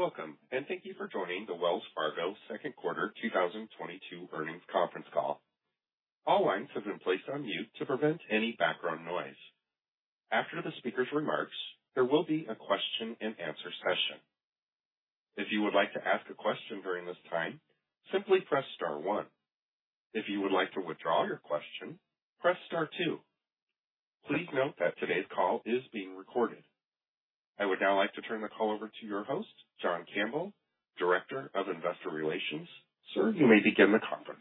Welcome, and thank you for joining the Wells Fargo second quarter 2022 earnings conference call. All lines have been placed on mute to prevent any background noise. After the speaker's remarks, there will be a question-and-answer session. If you would like to ask a question during this time, simply press star one. If you would like to withdraw your question, press star two. Please note that today's call is being recorded. I would now like to turn the call over to your host, John Campbell, Director of Investor Relations. Sir, you may begin the conference.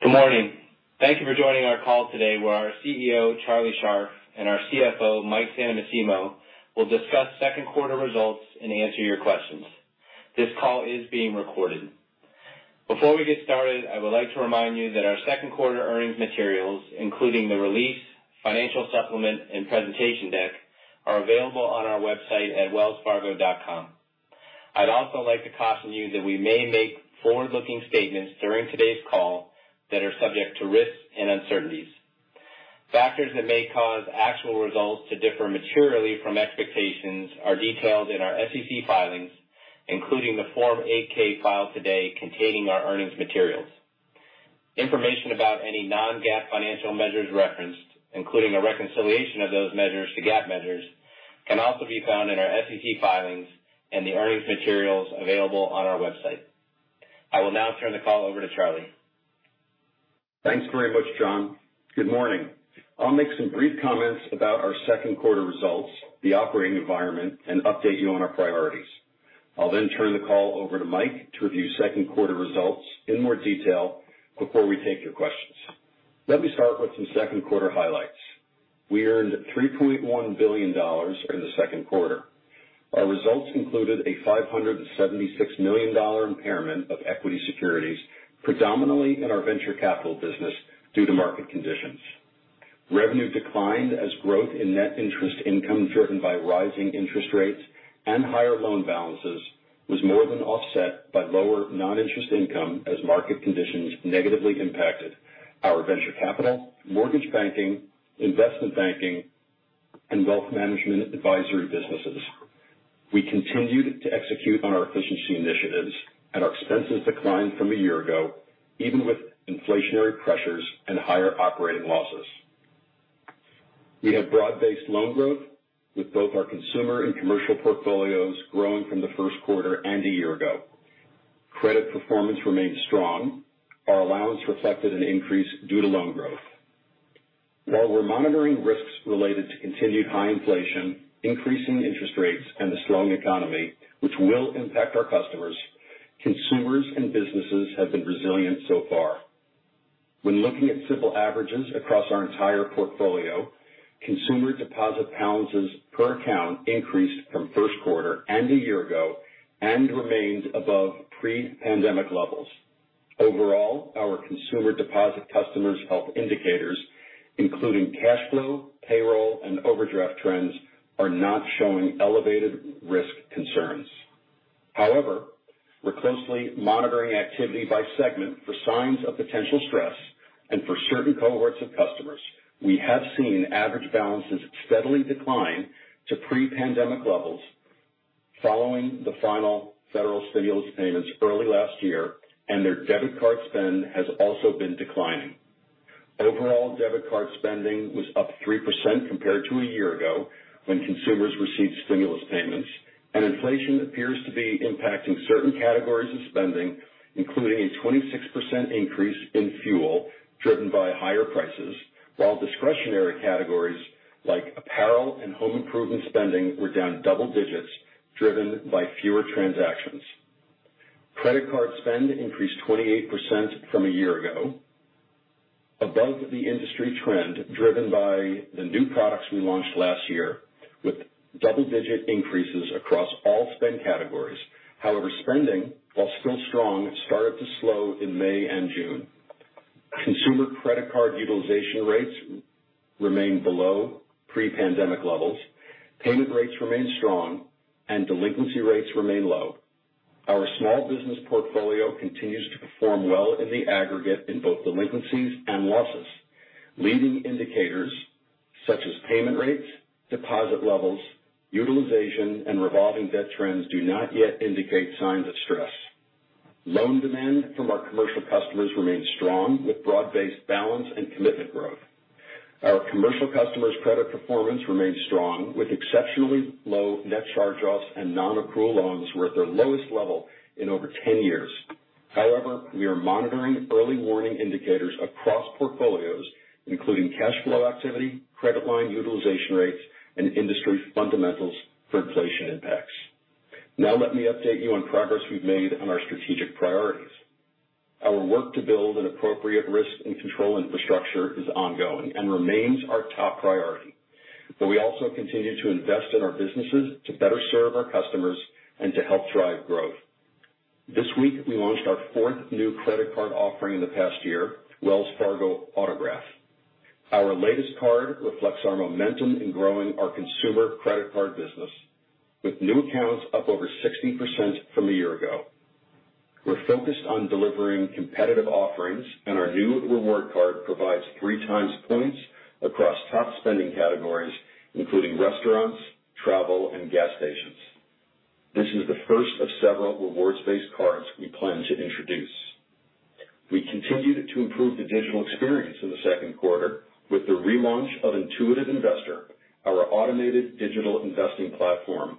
Good morning. Thank you for joining our call today, where our CEO, Charlie Scharf, and our CFO, Mike Santomassimo, will discuss second quarter results and answer your questions. This call is being recorded. Before we get started, I would like to remind you that our second quarter earnings materials, including the release, financial supplement, and presentation deck, are available on our website at wellsfargo.com. I'd also like to caution you that we may make forward-looking statements during today's call that are subject to risks and uncertainties. Factors that may cause actual results to differ materially from expectations are detailed in our SEC filings, including the Form 8-K filed today containing our earnings materials. Information about any non-GAAP financial measures referenced, including a reconciliation of those measures to GAAP measures, can also be found in our SEC filings and the earnings materials available on our website. I will now turn the call over to Charlie. Thanks very much, John. Good morning. I'll make some brief comments about our second quarter results, the operating environment, and update you on our priorities. I'll then turn the call over to Mike to review second quarter results in more detail before we take your questions. Let me start with some second quarter highlights. We earned $3.1 billion in the second quarter. Our results included a $576 million impairment of equity securities, predominantly in our venture capital business due to market conditions. Revenue declined as growth in net interest income driven by rising interest rates and higher loan balances was more than offset by lower non-interest income as market conditions negatively impacted our venture capital, mortgage banking, investment banking, and wealth management advisory businesses. We continued to execute on our efficiency initiatives, and our expenses declined from a year ago, even with inflationary pressures and higher operating losses. We have broad-based loan growth with both our consumer and commercial portfolios growing from the first quarter and a year ago. Credit performance remained strong. Our allowance reflected an increase due to loan growth. While we're monitoring risks related to continued high inflation, increasing interest rates, and the strong economy, which will impact our customers, consumers and businesses have been resilient so far. When looking at simple averages across our entire portfolio, consumer deposit balances per account increased from first quarter and a year ago and remains above pre-pandemic levels. Overall, our consumer deposit customers' health indicators, including cash flow, payroll, and overdraft trends, are not showing elevated risk concerns. However, we're closely monitoring activity by segment for signs of potential stress and for certain cohorts of customers. We have seen average balances steadily decline to pre-pandemic levels following the final Federal stimulus payments early last year, and their debit card spend has also been declining. Overall, debit card spending was up 3% compared to a year ago when consumers received stimulus payments, and inflation appears to be impacting certain categories of spending, including a 26% increase in fuel driven by higher prices, while discretionary categories like apparel and home improvement spending were down double digits, driven by fewer transactions. Credit card spend increased 28% from a year ago, above the industry trend driven by the new products we launched last year with double-digit increases across all spend categories. However, spending, while still strong, started to slow in May and June. Consumer credit card utilization rates remain below pre-pandemic levels. Payment rates remain strong and delinquency rates remain low. Our small business portfolio continues to perform well in the aggregate in both delinquencies and losses. Leading indicators such as payment rates, deposit levels, utilization, and revolving debt trends do not yet indicate signs of stress. Loan demand from our commercial customers remains strong with broad-based balance and commitment growth. Our commercial customers' credit performance remains strong with exceptionally low net charge-offs, and non-accrual loans were at their lowest level in over 10 years. However, we are monitoring early-warning indicators across portfolios, including cash flow activity, credit line utilization rates, and industry fundamentals for inflation impacts. Now let me update you on progress we've made on our strategic priorities. Our work to build an appropriate risk and control infrastructure is ongoing and remains our top priority. We also continue to invest in our businesses to better serve our customers and to help drive growth. This week, we launched our fourth new credit card offering in the past year, Wells Fargo Autograph. Our latest card reflects our momentum in growing our consumer credit card business, with new accounts up over 60% from a year ago. We're focused on delivering competitive offerings, and our new reward card provides three times points across top spending categories, including restaurants, travel, and gas stations. This is the first of several rewards-based cards we plan to introduce. We continued to improve the digital experience in the second quarter with the relaunch of Intuitive Investor, our automated digital investing platform.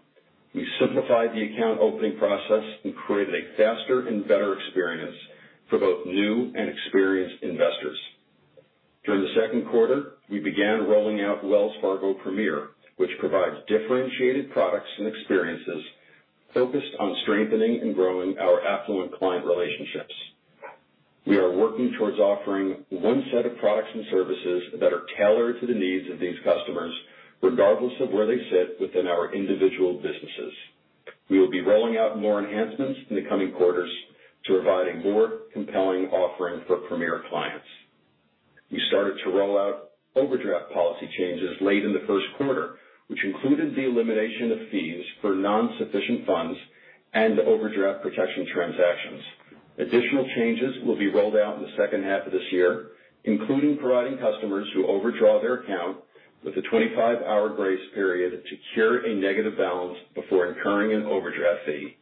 We simplified the account opening process and created a faster and better experience for both new and experienced investors. During the second quarter, we began rolling out Wells Fargo Premier, which provides differentiated products and experiences focused on strengthening and growing our affluent client relationships. We are working towards offering one set of products and services that are tailored to the needs of these customers, regardless of where they sit within our individual businesses. We will be rolling out more enhancements in the coming quarters to provide a more compelling offering for Premier clients. We started to roll out overdraft policy changes late in the first quarter, which included the elimination of fees for non-sufficient funds and overdraft protection transactions. Additional changes will be rolled out in the second half of this year, including providing customers who overdraw their account with a 25-hour grace period to cure a negative balance before incurring an overdraft fee,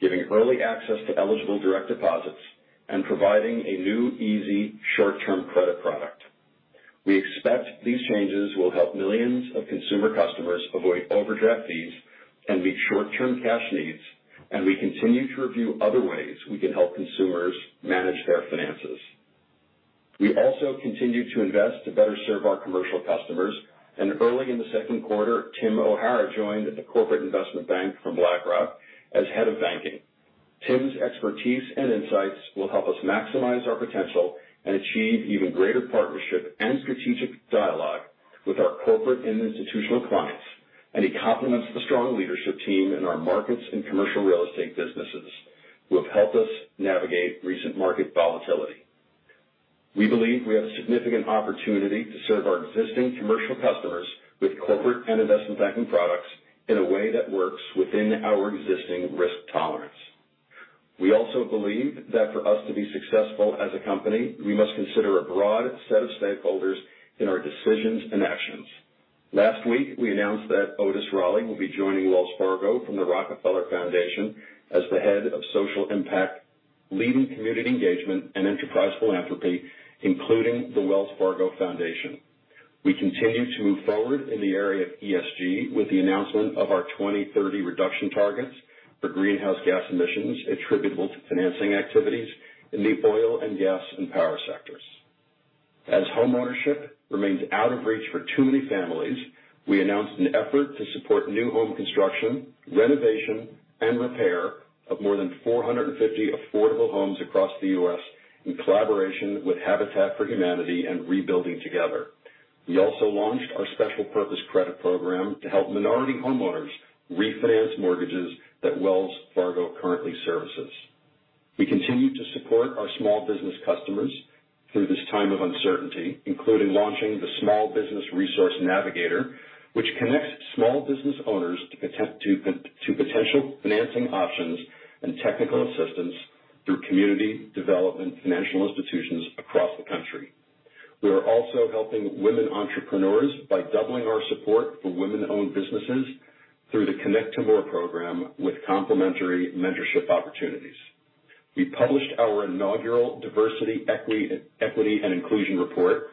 giving early access to eligible direct deposits, and providing a new, easy, short-term credit product. We expect these changes will help millions of consumer customers avoid overdraft fees and meet short-term cash needs, and we continue to review other ways we can help consumers manage their finances. We also continue to invest to better serve our commercial customers, and early in the second quarter, Tim O'Hara joined the Corporate & Investment Bank from BlackRock as Head of Banking. Tim's expertise and insights will help us maximize our potential and achieve even greater partnership and strategic dialogue with our corporate and institutional clients. He complements the strong leadership team in our markets and commercial real estate businesses, who have helped us navigate recent market volatility. We believe we have a significant opportunity to serve our existing commercial customers with corporate and investment banking products in a way that works within our existing risk tolerance. We also believe that for us to be successful as a company, we must consider a broad set of stakeholders in our decisions and actions. Last week, we announced that Otis Rolley will be joining Wells Fargo from The Rockefeller Foundation as the Head of Social Impact, leading community engagement and enterprise philanthropy, including the Wells Fargo Foundation. We continue to move forward in the area of ESG with the announcement of our 2030 reduction targets for greenhouse gas emissions attributable to financing activities in the oil and gas and power sectors. As homeownership remains out of reach for too many families, we announced an effort to support new home construction, renovation, and repair of more than 450 affordable homes across the U.S. in collaboration with Habitat for Humanity and Rebuilding Together. We also launched our special purpose credit program to help minority homeowners refinance mortgages that Wells Fargo currently services. We continue to support our small business customers through this time of uncertainty, including launching the Small Business Resource Navigator, which connects small business owners to potential financing options and technical assistance through community development financial institutions across the country. We are also helping women entrepreneurs by doubling our support for women-owned businesses through the Connect to More program with complementary mentorship opportunities. We published our inaugural Diversity, Equity, and Inclusion report,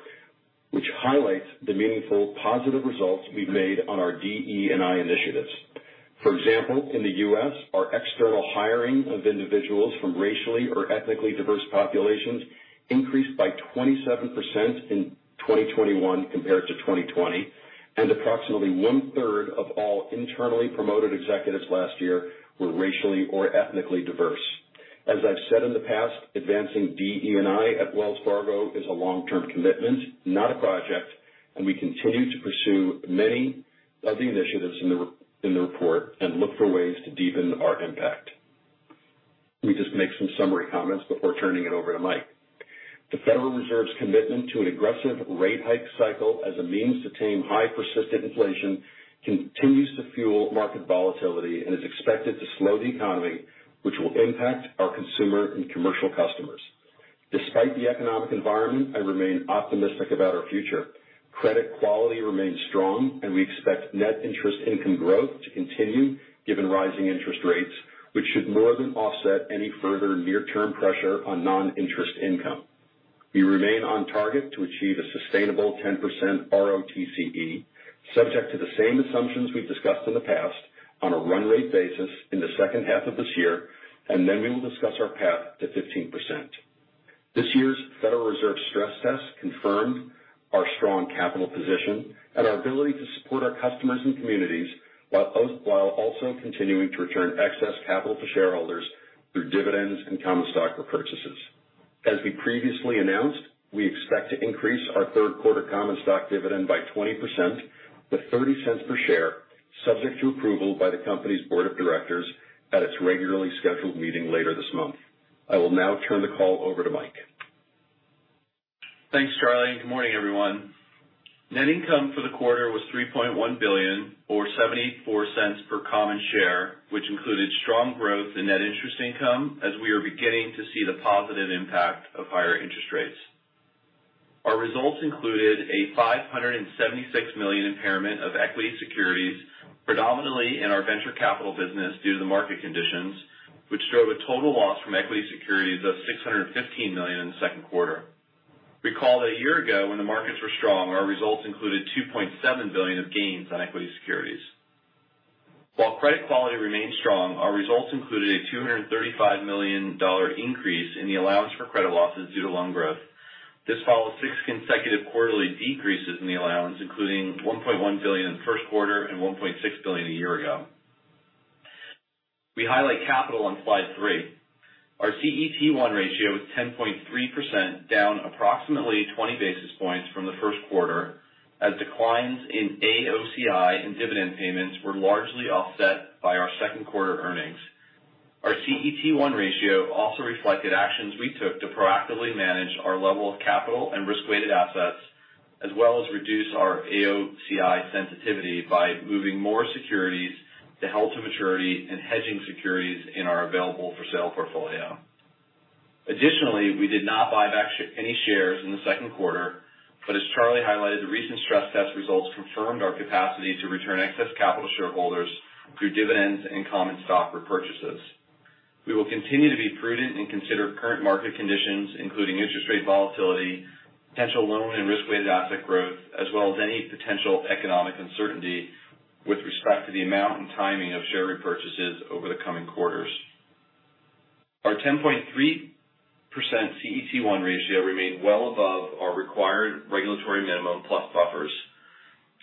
which highlights the meaningful, positive results we've made on our DE&I initiatives. For example, in the U.S., our external hiring of individuals from racially or ethnically diverse populations increased by 27% in 2021 compared to 2020. Approximately one-third of all internally promoted executives last year were racially or ethnically diverse. As I've said in the past, advancing DE&I at Wells Fargo is a long-term commitment, not a project, and we continue to pursue many of the initiatives in the report and look for ways to deepen our impact. Let me just make some summary comments before turning it over to Mike. The Federal Reserve's commitment to an aggressive rate hike cycle as a means to tame high persistent inflation continues to fuel market volatility and is expected to slow the economy, which will impact our consumer and commercial customers. Despite the economic environment, I remain optimistic about our future. Credit quality remains strong, and we expect net interest income growth to continue given rising interest rates, which should more than offset any further near-term pressure on non-interest income. We remain on target to achieve a sustainable 10% ROTCE, subject to the same assumptions we've discussed in the past, on a run rate basis in the second half of this year, and then we will discuss our path to 15%. This year's Federal Reserve stress test confirmed our strong capital position and our ability to support our customers and communities while also continuing to return excess capital to shareholders through dividends and common stock repurchases. As we previously announced, we expect to increase our third-quarter common stock dividend by 20% to $0.30 per share, subject to approval by the company's board of directors at its regularly scheduled meeting later this month. I will now turn the call over to Mike. Thanks, Charlie, and good morning, everyone. Net income for the quarter was $3.1 billion or $0.74 per common share, which included strong growth in net interest income as we are beginning to see the positive impact of higher interest rates. Our results included a $576 million impairment of equity securities, predominantly in our venture capital business due to the market conditions, which drove a total loss from equity securities of $615 million in the second quarter. Recall that a year ago, when the markets were strong, our results included $2.7 billion of gains on equity securities. While credit quality remain strong, our results included a $235 million increase in the allowance for credit losses due to loan growth. This followed six consecutive quarterly decreases in the allowance, including $1.1 billion in the first quarter and $1.6 billion a year ago. We highlight capital on slide three. Our CET1 ratio was 10.3%, down approximately 20 basis points from the first quarter, as declines in AOCI and dividend payments were largely offset by our second quarter earnings. Our CET1 ratio also reflected actions we took to proactively manage our level of capital and risk-weighted assets, as well as reduce our AOCI sensitivity by moving more securities to held-to-maturity and hedging securities in our available-for-sale portfolio. Additionally, we did not buy back any shares in the second quarter, but as Charlie highlighted, the recent stress test results confirmed our capacity to return excess capital to shareholders through dividends and common stock repurchases. We will continue to be prudent and consider current market conditions, including interest rate volatility, potential loan and risk-weighted asset growth, as well as any potential economic uncertainty with respect to the amount and timing of share repurchases over the coming quarters. Our 10.3% CET1 ratio remained well above our required regulatory minimum plus buffers.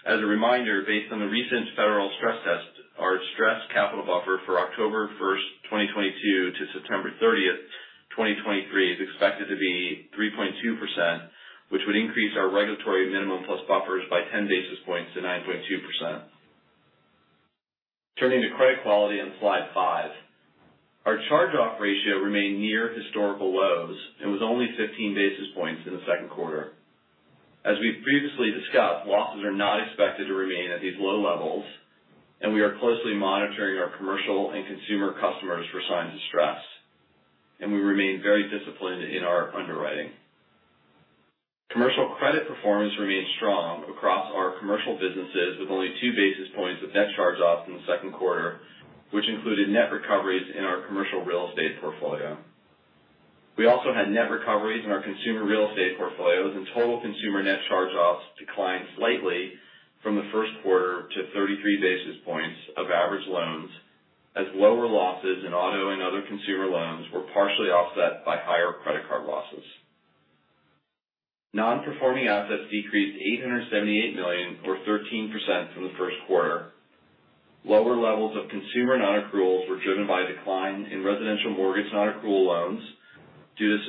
As a reminder, based on the recent federal stress test, our stress capital buffer for October 1, 2022 to September 30, 2023 is expected to be 3.2%, which would increase our regulatory minimum plus buffers by 10 basis points to 9.2%. Turning to credit quality on slide five. Our charge-off ratio remained near historical lows and was only 15 basis points in the second quarter. As we've previously discussed, losses are not expected to remain at these low levels, and we are closely monitoring our commercial and consumer customers for signs of stress, and we remain very disciplined in our underwriting. Commercial credit performance remained strong across our commercial businesses, with only 2 basis points of net charge-offs in the second quarter, which included net recoveries in our commercial real estate portfolio. We also had net recoveries in our consumer real estate portfolios, and total consumer net charge-offs declined slightly from the first quarter to 33 basis points of average loans as lower losses in auto and other consumer loans were partially offset by higher credit card losses. Non-performing assets decreased $878 million, or 13% from the first quarter. Lower levels of consumer non-accruals were driven by a decline in residential mortgage non-accrual loans due to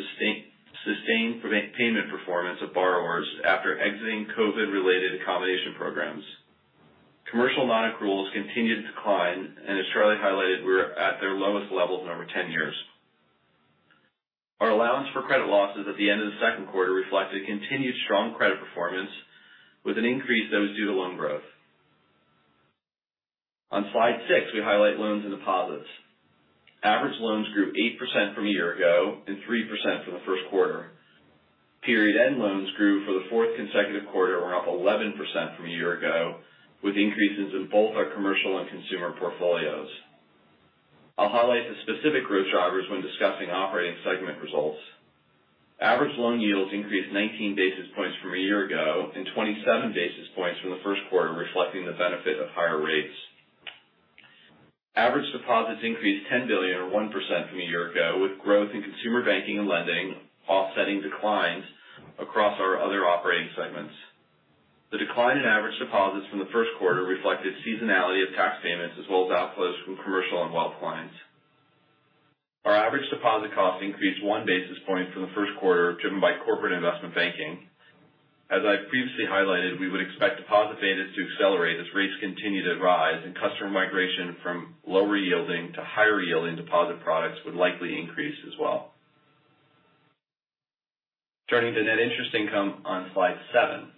sustained payment performance of borrowers after exiting COVID-related accommodation programs. Commercial non-accruals continued to decline, and as Charlie highlighted, we're at their lowest levels in over 10 years. Our allowance for credit losses at the end of the second quarter reflected continued strong credit performance with an increase that was due to loan growth. On slide six, we highlight loans and deposits. Average loans grew 8% from a year ago and 3% for the first quarter. Period end loans grew for the fourth consecutive quarter and were up 11% from a year ago, with increases in both our commercial and consumer portfolios. I'll highlight the specific growth drivers when discussing operating segment results. Average loan yields increased 19 basis points from a year ago and 27 basis points from the first quarter, reflecting the benefit of higher rates. Average deposits increased $10 billion or 1% from a year ago, with growth in consumer banking and lending offsetting declines across our other operating segments. The decline in average deposits from the first quarter reflected seasonality of tax payments as well as outflows from commercial and wealth clients. Our average deposit cost increased 1 basis point from the first quarter, driven by corporate investment banking. As I previously highlighted, we would expect deposit betas to accelerate as rates continue to rise and customer migration from lower-yielding to higher-yielding deposit products would likely increase as well. Turning to net interest income on slide seven.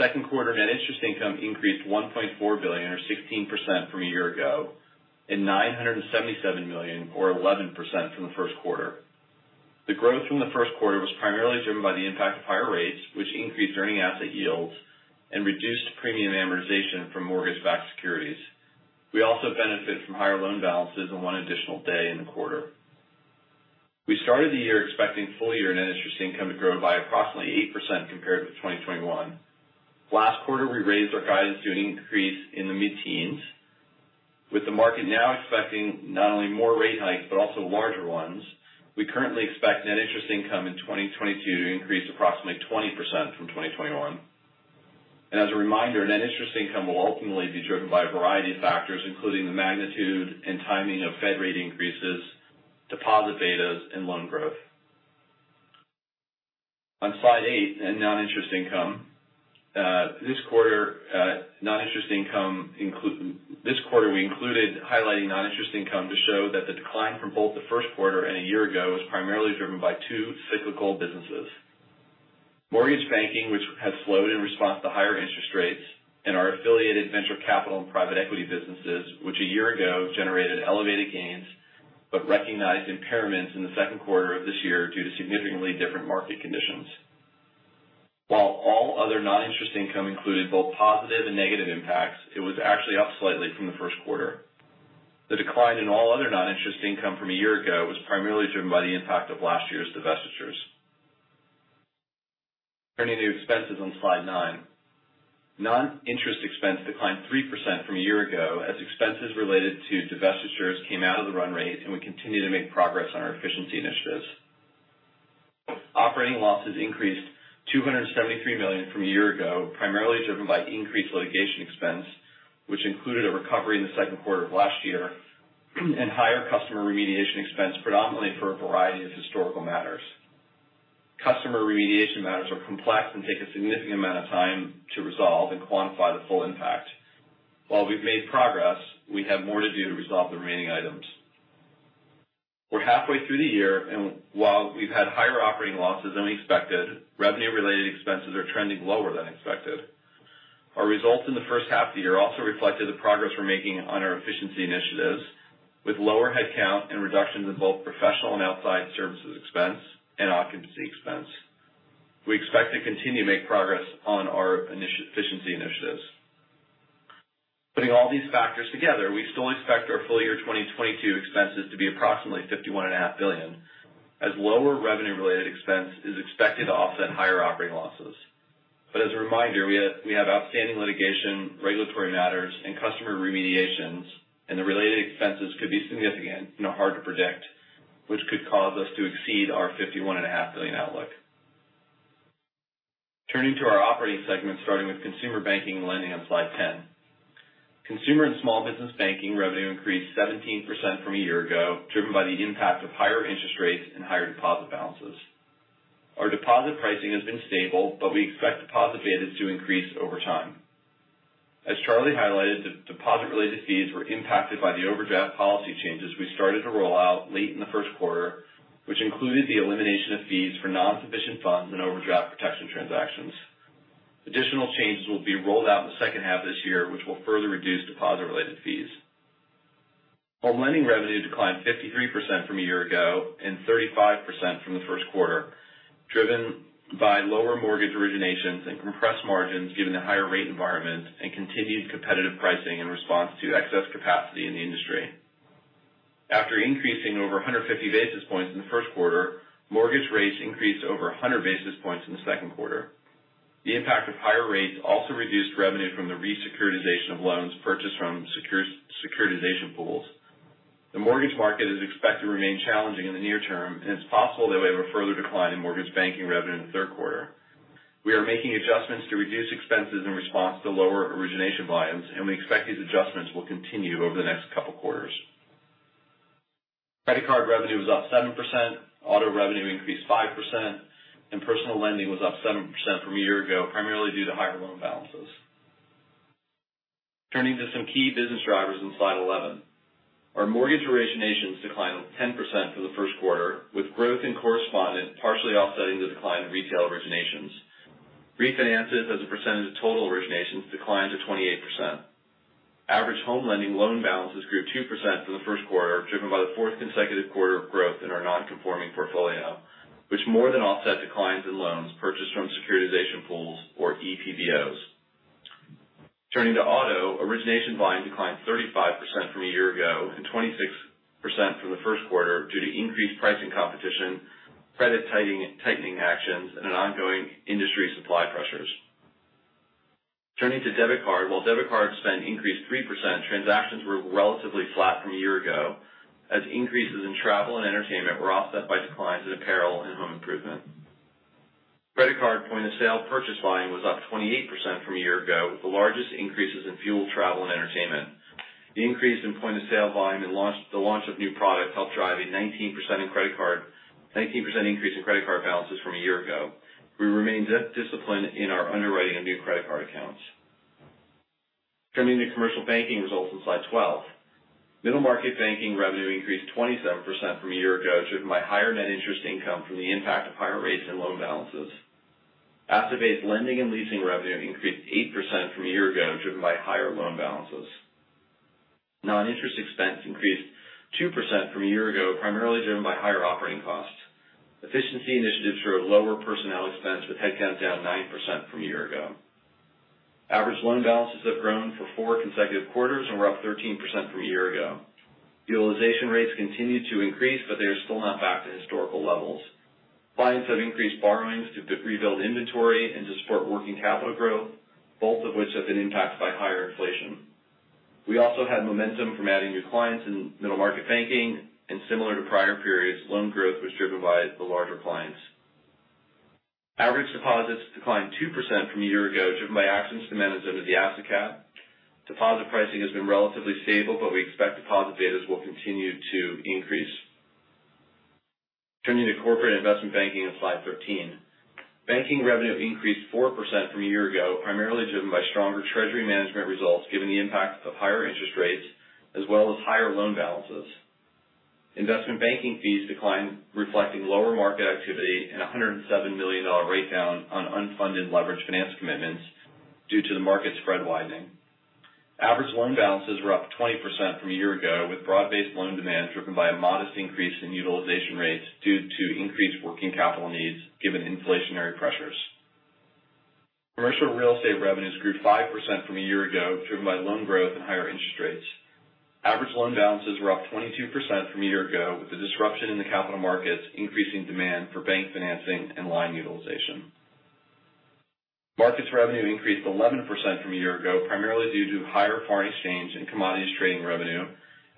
Second quarter net interest income increased $1.4 billion or 16% from a year ago, and $977 million or 11% from the first quarter. The growth from the first quarter was primarily driven by the impact of higher rates, which increased earning asset yields and reduced premium amortization from mortgage-backed securities. We also benefit from higher loan balances and one additional day in the quarter. We started the year expecting full-year net interest income to grow by approximately 8% compared to 2021. Last quarter, we raised our guidance to an increase in the mid-teens. With the market now expecting not only more rate hikes, but also larger ones, we currently expect net interest income in 2022 to increase approximately 20% from 2021. As a reminder, net interest income will ultimately be driven by a variety of factors, including the magnitude and timing of Fed rate increases, deposit betas, and loan growth. On slide eight, in non-interest income. This quarter, we included highlighting non-interest income to show that the decline from both the first quarter and a year ago was primarily driven by two cyclical businesses. Mortgage banking, which has slowed in response to higher interest rates, and our affiliated venture capital and private equity businesses, which a year ago generated elevated gains but recognized impairments in the second quarter of this year due to significantly different market conditions. While all other non-interest income included both positive and negative impacts, it was actually up slightly from the first quarter. The decline in all other non-interest income from a year ago was primarily driven by the impact of last year's divestitures. Turning to expenses on slide nine. Non-interest expense declined 3% from a year ago as expenses related to divestitures came out of the run rate and we continued to make progress on our efficiency initiatives. Operating losses increased $273 million from a year ago, primarily driven by increased litigation expense, which included a recovery in the second quarter of last year, and higher customer remediation expense predominantly for a variety of historical matters. Customer remediation matters are complex and take a significant amount of time to resolve and quantify the full impact. While we've made progress, we have more to do to resolve the remaining items. We're halfway through the year, and while we've had higher operating losses than we expected, revenue-related expenses are trending lower than expected. Our results in the first half of the year also reflected the progress we're making on our efficiency initiatives with lower headcount and reductions in both professional and outside services expense and occupancy expense. We expect to continue to make progress on our efficiency initiatives. Putting all these factors together, we still expect our full-year 2022 expenses to be approximately $51.5 billion, as lower revenue-related expense is expected to offset higher operating losses. As a reminder, we have outstanding litigation, regulatory matters and customer remediations, and the related expenses could be significant and are hard to predict, which could cause us to exceed our $51.5 billion outlook. Turning to our operating segments, starting with consumer banking and lending on slide 10. Consumer and small business banking revenue increased 17% from a year ago, driven by the impact of higher interest rates and higher deposit balances. Our deposit pricing has been stable, but we expect deposit betas to increase over time. As Charlie highlighted, deposit-related fees were impacted by the overdraft policy changes we started to roll out late in the first quarter, which included the elimination of fees for non-sufficient funds and overdraft protection transactions. Additional changes will be rolled out in the second half of this year, which will further reduce deposit-related fees. Home lending revenue declined 53% from a year ago and 35% from the first quarter, driven by lower mortgage originations and compressed margins given the higher rate environment and continued competitive pricing in response to excess capacity in the industry. After increasing over 150 basis points in the first quarter, mortgage rates increased over 100 basis points in the second quarter. The impact of higher rates also reduced revenue from the re-securitization of loans purchased from securitization pools. The mortgage market is expected to remain challenging in the near term, and it's possible that we have a further decline in mortgage banking revenue in the third quarter. We are making adjustments to reduce expenses in response to lower origination volumes, and we expect these adjustments will continue over the next couple quarters. Credit card revenue was up 7%, auto revenue increased 5%, and personal lending was up 7% from a year ago, primarily due to higher loan balances. Turning to some key business drivers on slide 11. Our mortgage originations declined 10% for the first quarter, with growth in correspondent partially offsetting the decline in retail originations. Refinances as a percentage of total originations declined to 28%. Average home lending loan balances grew 2% for the first quarter, driven by the fourth consecutive quarter of growth in our non-conforming portfolio, which more than offset declines in loans purchased from securitization pools or EPBOs. Turning to auto, origination volume declined 35% from a year ago and 26% from the first quarter due to increased pricing competition, credit tightening actions and an ongoing industry supply pressures. Turning to debit card. While debit card spend increased 3%, transactions were relatively flat from a year ago as increases in travel and entertainment were offset by declines in apparel and home improvement. Credit card point of sale purchase volume was up 28% from a year ago, with the largest increases in fuel, travel and entertainment. The increase in point of sale volume and the launch of new product helped drive a 19% increase in credit card balances from a year ago. We remain disciplined in our underwriting of new credit card accounts. Turning to commercial banking results on slide 12. Middle Market banking revenue increased 27% from a year ago, driven by higher net interest income from the impact of higher rates and loan balances. Asset-based lending and leasing revenue increased 8% from a year ago, driven by higher loan balances. Non-interest expense increased 2% from a year ago, primarily driven by higher operating costs. Efficiency initiatives showed lower personnel expense, with headcount down 9% from a year ago. Average loan balances have grown for four consecutive quarters and were up 13% from a year ago. Utilization rates continued to increase, but they are still not back to historical levels. Clients have increased borrowings to rebuild inventory and to support working capital growth, both of which have been impacted by higher inflation. We also had momentum from adding new clients in Middle Market banking, and similar to prior periods, loan growth was driven by the larger clients. Average deposits declined 2% from a year ago, driven by actions to manage under the asset cap. Deposit pricing has been relatively stable, but we expect deposit betas will continue to increase. Turning to corporate investment banking on slide 13. Banking revenue increased 4% from a year ago, primarily driven by stronger treasury management results, given the impact of higher interest rates as well as higher loan balances. Investment banking fees declined, reflecting lower market activity and $107 million write down on unfunded leveraged finance commitments due to the market spread widening. Average loan balances were up 20% from a year ago, with broad-based loan demand driven by a modest increase in utilization rates due to increased working capital needs given inflationary pressures. Commercial real estate revenues grew 5% from a year ago, driven by loan growth and higher interest rates. Average loan balances were up 22% from a year ago, with the disruption in the capital markets increasing demand for bank financing and line utilization. Markets revenue increased 11% from a year ago, primarily due to higher foreign exchange and commodities trading revenue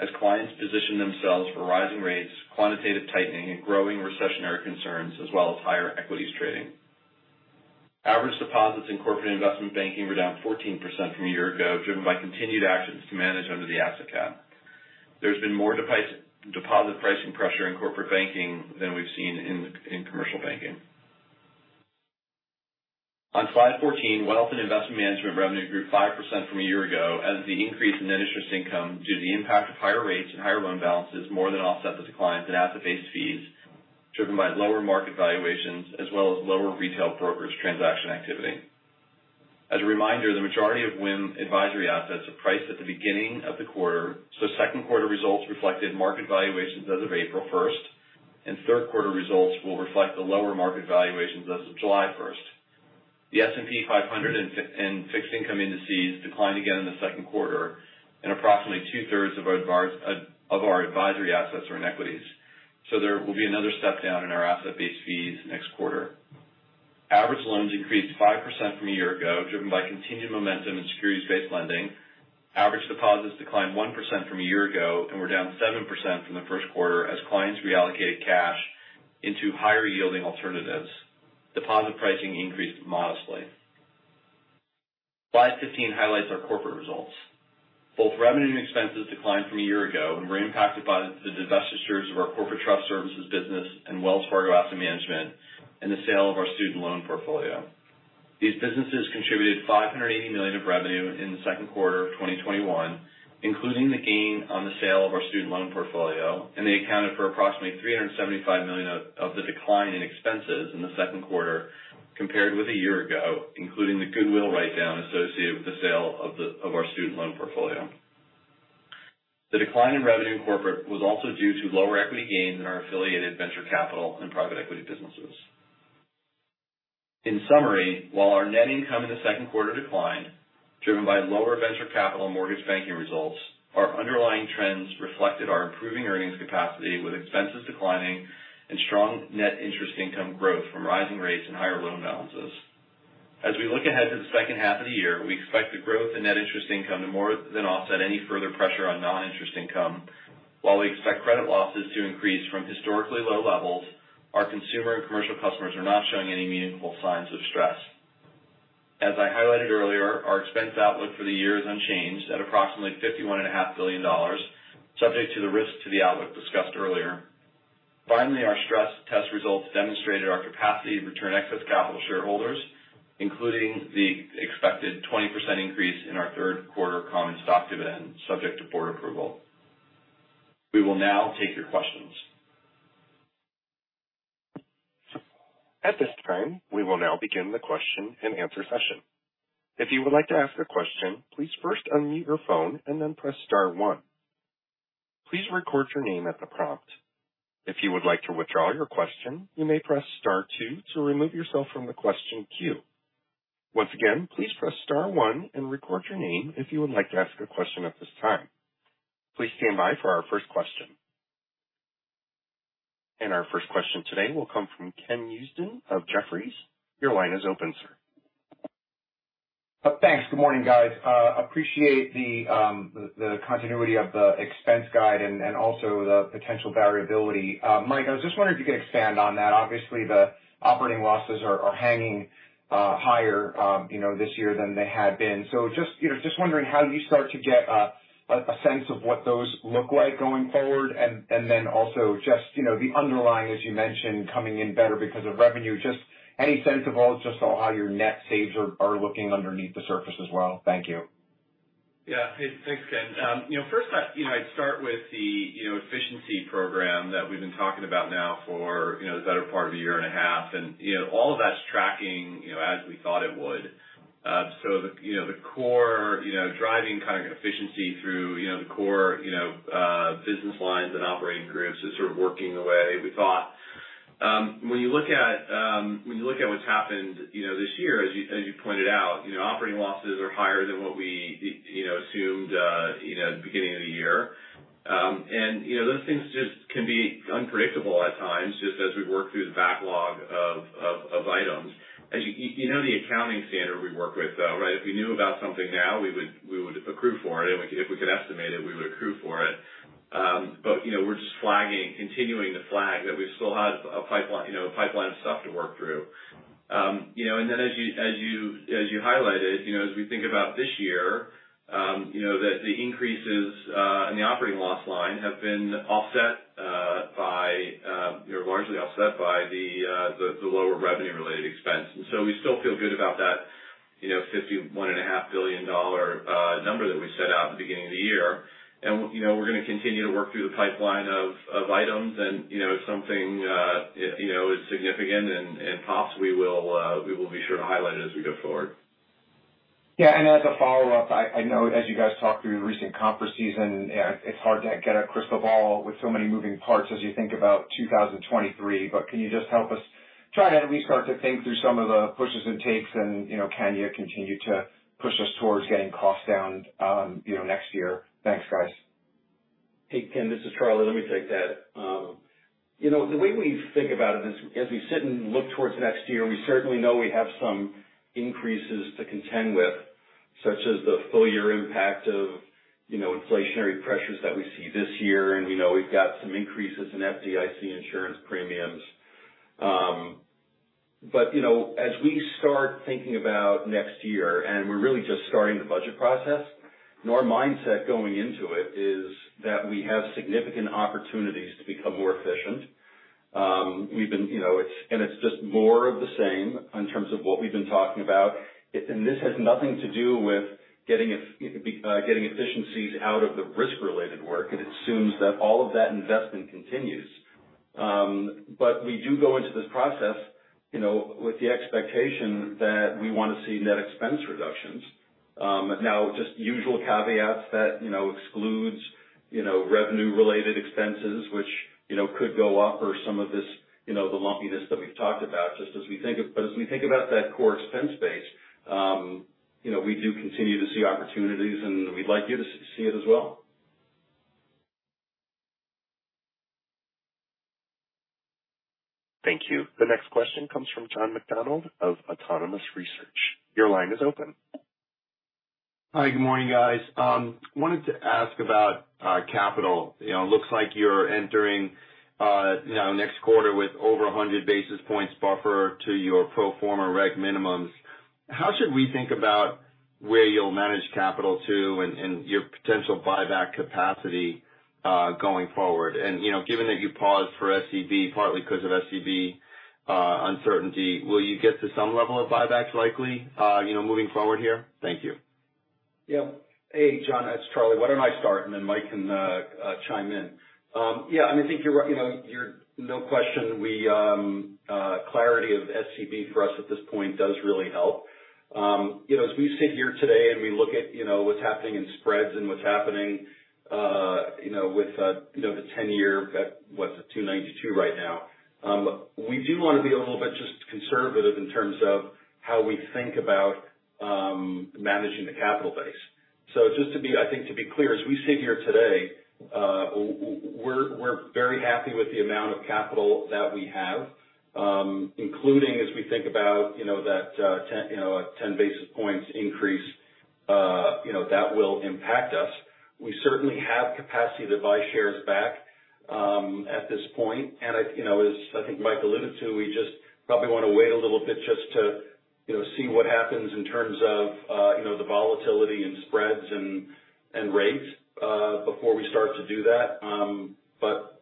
as clients position themselves for rising rates, quantitative tightening and growing recessionary concerns as well as higher equities trading. Average deposits in corporate investment banking were down 14% from a year ago, driven by continued actions to manage under the asset cap. There's been more deposit pricing pressure in corporate banking than we've seen in commercial banking. On slide 14, wealth and investment management revenue grew 5% from a year ago as the increase in net interest income due to the impact of higher rates and higher loan balances more than offset the declines in asset-based fees driven by lower market valuations as well as lower retail brokers transaction activity. As a reminder, the majority of WIM advisory assets are priced at the beginning of the quarter. Second quarter results reflected market valuations as of April 1st, and third quarter results will reflect the lower market valuations as of July 1st. The S&P 500 and fixed income indices declined again in the second quarter and approximately 2/3s of our advisory assets are in equities. There will be another step down in our asset-based fees next quarter. Average loans increased 5% from a year ago, driven by continued momentum in securities-based lending. Average deposits declined 1% from a year ago and were down 7% from the first quarter as clients reallocated cash into higher-yielding alternatives. Deposit pricing increased modestly. Slide 15 highlights our corporate results. Both revenue and expenses declined from a year ago and were impacted by the divestitures of our corporate trust services business and Wells Fargo Asset Management and the sale of our student loan portfolio. These businesses contributed $580 million of revenue in the second quarter of 2021, including the gain on the sale of our student loan portfolio, and they accounted for approximately $375 million of the decline in expenses in the second quarter compared with a year ago, including the goodwill write-down associated with the sale of our student loan portfolio. The decline in revenue in corporate was also due to lower equity gains in our affiliated venture capital and private equity businesses. In summary, while our net income in the second quarter declined, driven by lower venture capital and mortgage banking results, our underlying trends reflected our improving earnings capacity, with expenses declining and strong net interest income growth from rising rates and higher loan balances. As we look ahead to the second half of the year, we expect the growth in net interest income to more than offset any further pressure on non-interest income. While we expect credit losses to increase from historically low levels, our consumer and commercial customers are not showing any meaningful signs of stress. As I highlighted earlier, our expense outlook for the year is unchanged at approximately $51.5 billion, subject to the risks to the outlook discussed earlier. Finally, our stress test results demonstrated our capacity to return excess capital to shareholders, including the expected 20% increase in our third-quarter common stock dividend subject to board approval. We will now take your questions. At this time, we will now begin the question and answer session. If you would like to ask a question, please first unmute your phone and then press star one. Please record your name at the prompt. If you would like to withdraw your question, you may press star two to remove yourself from the question queue. Once again, please press star one and record your name if you would like to ask a question at this time. Please stand by for our first question. Our first question today will come from Ken Usdin of Jefferies. Your line is open, sir. Thanks. Good morning, guys. I appreciate the continuity of the expense guide and also the potential variability. Mike, I was just wondering if you could expand on that. Obviously, the operating losses are hanging higher, you know, this year than they had been. So just, you know, just wondering how you start to get a sense of what those look like going forward. Then also just, you know, the underlying, as you mentioned, coming in better because of revenue. Just any sense at all, just on how your net saves are looking underneath the surface as well. Thank you. Yeah. Hey, thanks, Ken. You know, first I, you know, I'd start with the, you know, efficiency program that we've been talking about now for, you know, the better part of a year and a half. You know, all of that's tracking, you know, as we thought it would. The, you know, the core, you know, driving kind of efficiency through, you know, the core, you know, business lines and operating groups is sort of working the way we thought. When you look at what's happened, you know, this year, as you pointed out, you know, operating losses are higher than what we, you know, assumed, you know, at the beginning of the year. You know, those things just can be unpredictable at times, just as we work through the backlog of items. You know, the accounting standard we work with, though, right? If we knew about something now, we would accrue for it, and if we could estimate it, we would accrue for it. You know, we're just flagging, continuing to flag that we still have a pipeline, you know, a pipeline of stuff to work through. You know, as you highlighted, you know, as we think about this year, you know, that the increases in the operating loss line have been offset by, you know, largely offset by the lower revenue related expense. We still feel good about that, you know, $51.5 billion number that we set out at the beginning of the year. You know, we're gonna continue to work through the pipeline of items and, you know, if something is significant and pops, we will be sure to highlight it as we go forward. Yeah. As a follow-up, I know as you guys talk through the recent conference season, it's hard to get a crystal ball with so many moving parts as you think about 2023. But can you just help us try to at least start to think through some of the pushes and takes and, you know, can you continue to push us towards getting costs down, you know, next year? Thanks, guys. Hey, Ken, this is Charlie. Let me take that. You know, the way we think about it is as we sit and look towards next year, we certainly know we have some increases to contend with, such as the full year impact of, you know, inflationary pressures that we see this year. You know, we've got some increases in FDIC insurance premiums. You know, as we start thinking about next year, and we're really just starting the budget process, you know, our mindset going into it is that we have significant opportunities to become more efficient. You know, we've been, and it's just more of the same in terms of what we've been talking about. This has nothing to do with getting efficiencies out of the risk related work. It assumes that all of that investment continues. We do go into this process, you know, with the expectation that we want to see net expense reductions. Now, just usual caveats that, you know, excludes, you know, revenue related expenses, which, you know, could go up or some of this, you know, the lumpiness that we've talked about just as we think of. As we think about that core expense base, you know, we do continue to see opportunities, and we'd like you to see it as well. Thank you. The next question comes from John McDonald of Autonomous Research. Your line is open. Hi. Good morning, guys. Wanted to ask about capital. You know, looks like you're entering, you know, next quarter with over 100 basis points buffer to your pro forma regulatory minimums. How should we think about where you'll manage capital to and your potential buyback capacity going forward? You know, given that you paused for SCB, partly because of SCB uncertainty, will you get to some level of buybacks likely, you know, moving forward here? Thank you. Yeah. Hey, John, it's Charlie. Why don't I start and then Mike can chime in. Yeah, I mean, I think you're right. You know, no question, clarity of SCB for us at this point does really help. You know, as we sit here today and we look at, you know, what's happening in spreads and what's happening, you know, with, you know, the 10-year at, what, is it 2.92% right now. We do want to be a little bit just conservative in terms of how we think about managing the capital base. Just to be, I think to be clear, as we sit here today, we're very happy with the amount of capital that we have, including as we think about, you know, that 10 basis points increase, you know, that will impact us. We certainly have capacity to buy shares back, at this point. I, you know, as I think Mike alluded to, we just probably want to wait a little bit just to, you know, see what happens in terms of, you know, the volatility and spreads and rates, before we start to do that.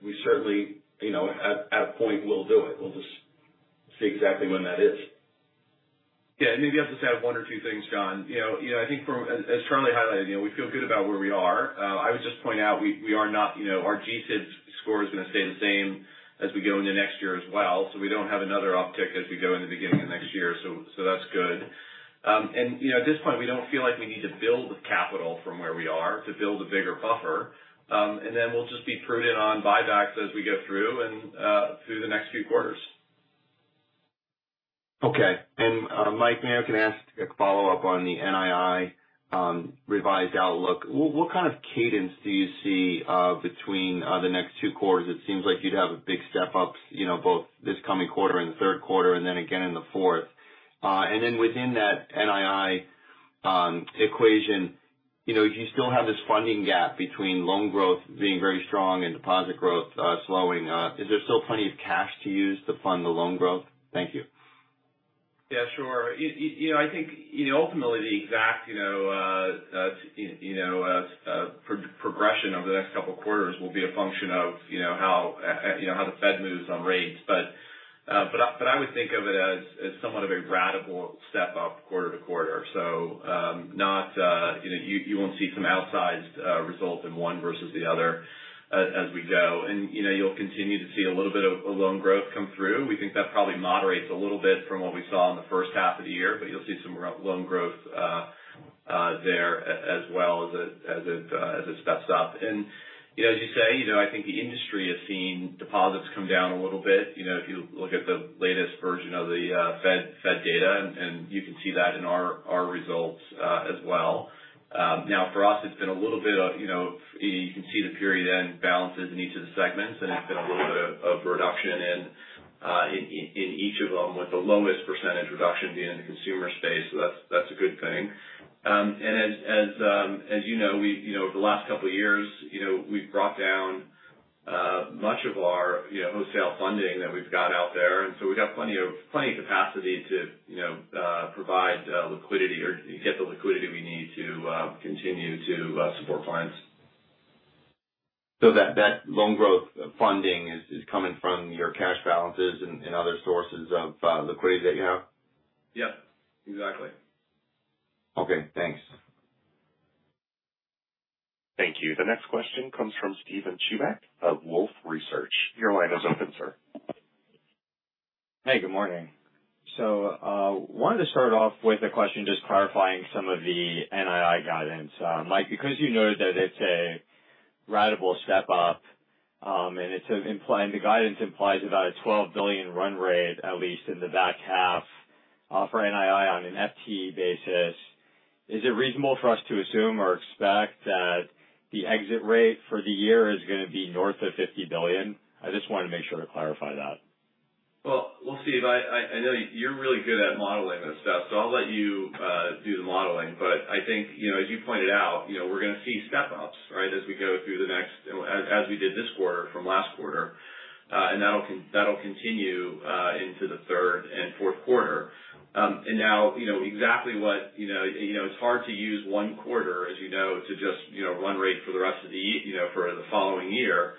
We certainly, you know, at a point we'll do it. We'll just see exactly when that is. Yeah. Let me just add one or two things, John. You know, I think as Charlie highlighted, you know, we feel good about where we are. I would just point out we are not, you know, our GSIB score is going to stay the same as we go into next year as well. We don't have another uptick as we go into beginning of next year. That's good. You know, at this point, we don't feel like we need to build the capital from where we are to build a bigger buffer. Then we'll just be prudent on buybacks as we go through the next few quarters. Okay. Mike, may I ask a follow-up on the NII revised outlook. What kind of cadence do you see between the next two quarters? It seems like you'd have a big step up, you know, both this coming quarter and the third quarter and then again in the fourth. Within that NII equation, you know, you still have this funding gap between loan growth being very strong and deposit growth slowing. Is there still plenty of cash to use to fund the loan growth? Thank you. Yeah, sure. You know, I think, you know, ultimately the exact progression over the next couple of quarters will be a function of, you know, how the Fed moves on rates. I would think of it as somewhat of a gradual step up quarter to quarter. You won't see some outsized result in one versus the other as we go. You know, you'll continue to see a little bit of a loan growth come through. We think that probably moderates a little bit from what we saw in the first half of the year, but you'll see some loan growth there as well as it steps up. You know, as you say, you know, I think the industry has seen deposits come down a little bit. You know, if you look at the latest version of the Fed data, and you can see that in our results as well. Now for us, it's been a little bit of, you know, you can see the period-end balances in each of the segments, and it's been a little bit of reduction in each of them with the lowest percentage reduction being in the consumer space. That's a good thing. As you know, we've, you know, over the last couple of years, you know, we've brought down much of our wholesale funding that we've got out there. We've got plenty of capacity to, you know, provide liquidity or get the liquidity we need to continue to support clients. That loan growth funding is coming from your cash balances and other sources of liquidity that you have? Yes, exactly. Okay, thanks. Thank you. The next question comes from Steven Chubak of Wolfe Research. Your line is open, sir. Hey, good morning. Wanted to start off with a question just clarifying some of the NII guidance. Mike, because you noted that it's a ratable step up, and it's the guidance implies about a $12 billion run rate at least in the back half, for NII on an FTE basis. Is it reasonable for us to assume or expect that the exit rate for the year is gonna be north of $50 billion? I just wanted to make sure to clarify that. Well, Steve, I know you're really good at modeling this stuff, so I'll let you do the modeling. I think, you know, as you pointed out, you know, we're gonna see step-ups, right, as we go through the next, as we did this quarter from last quarter. That'll continue into the third and fourth quarter. It's hard to use one quarter, as you know, to just, you know, run rate for the rest of the year, you know, for the following year.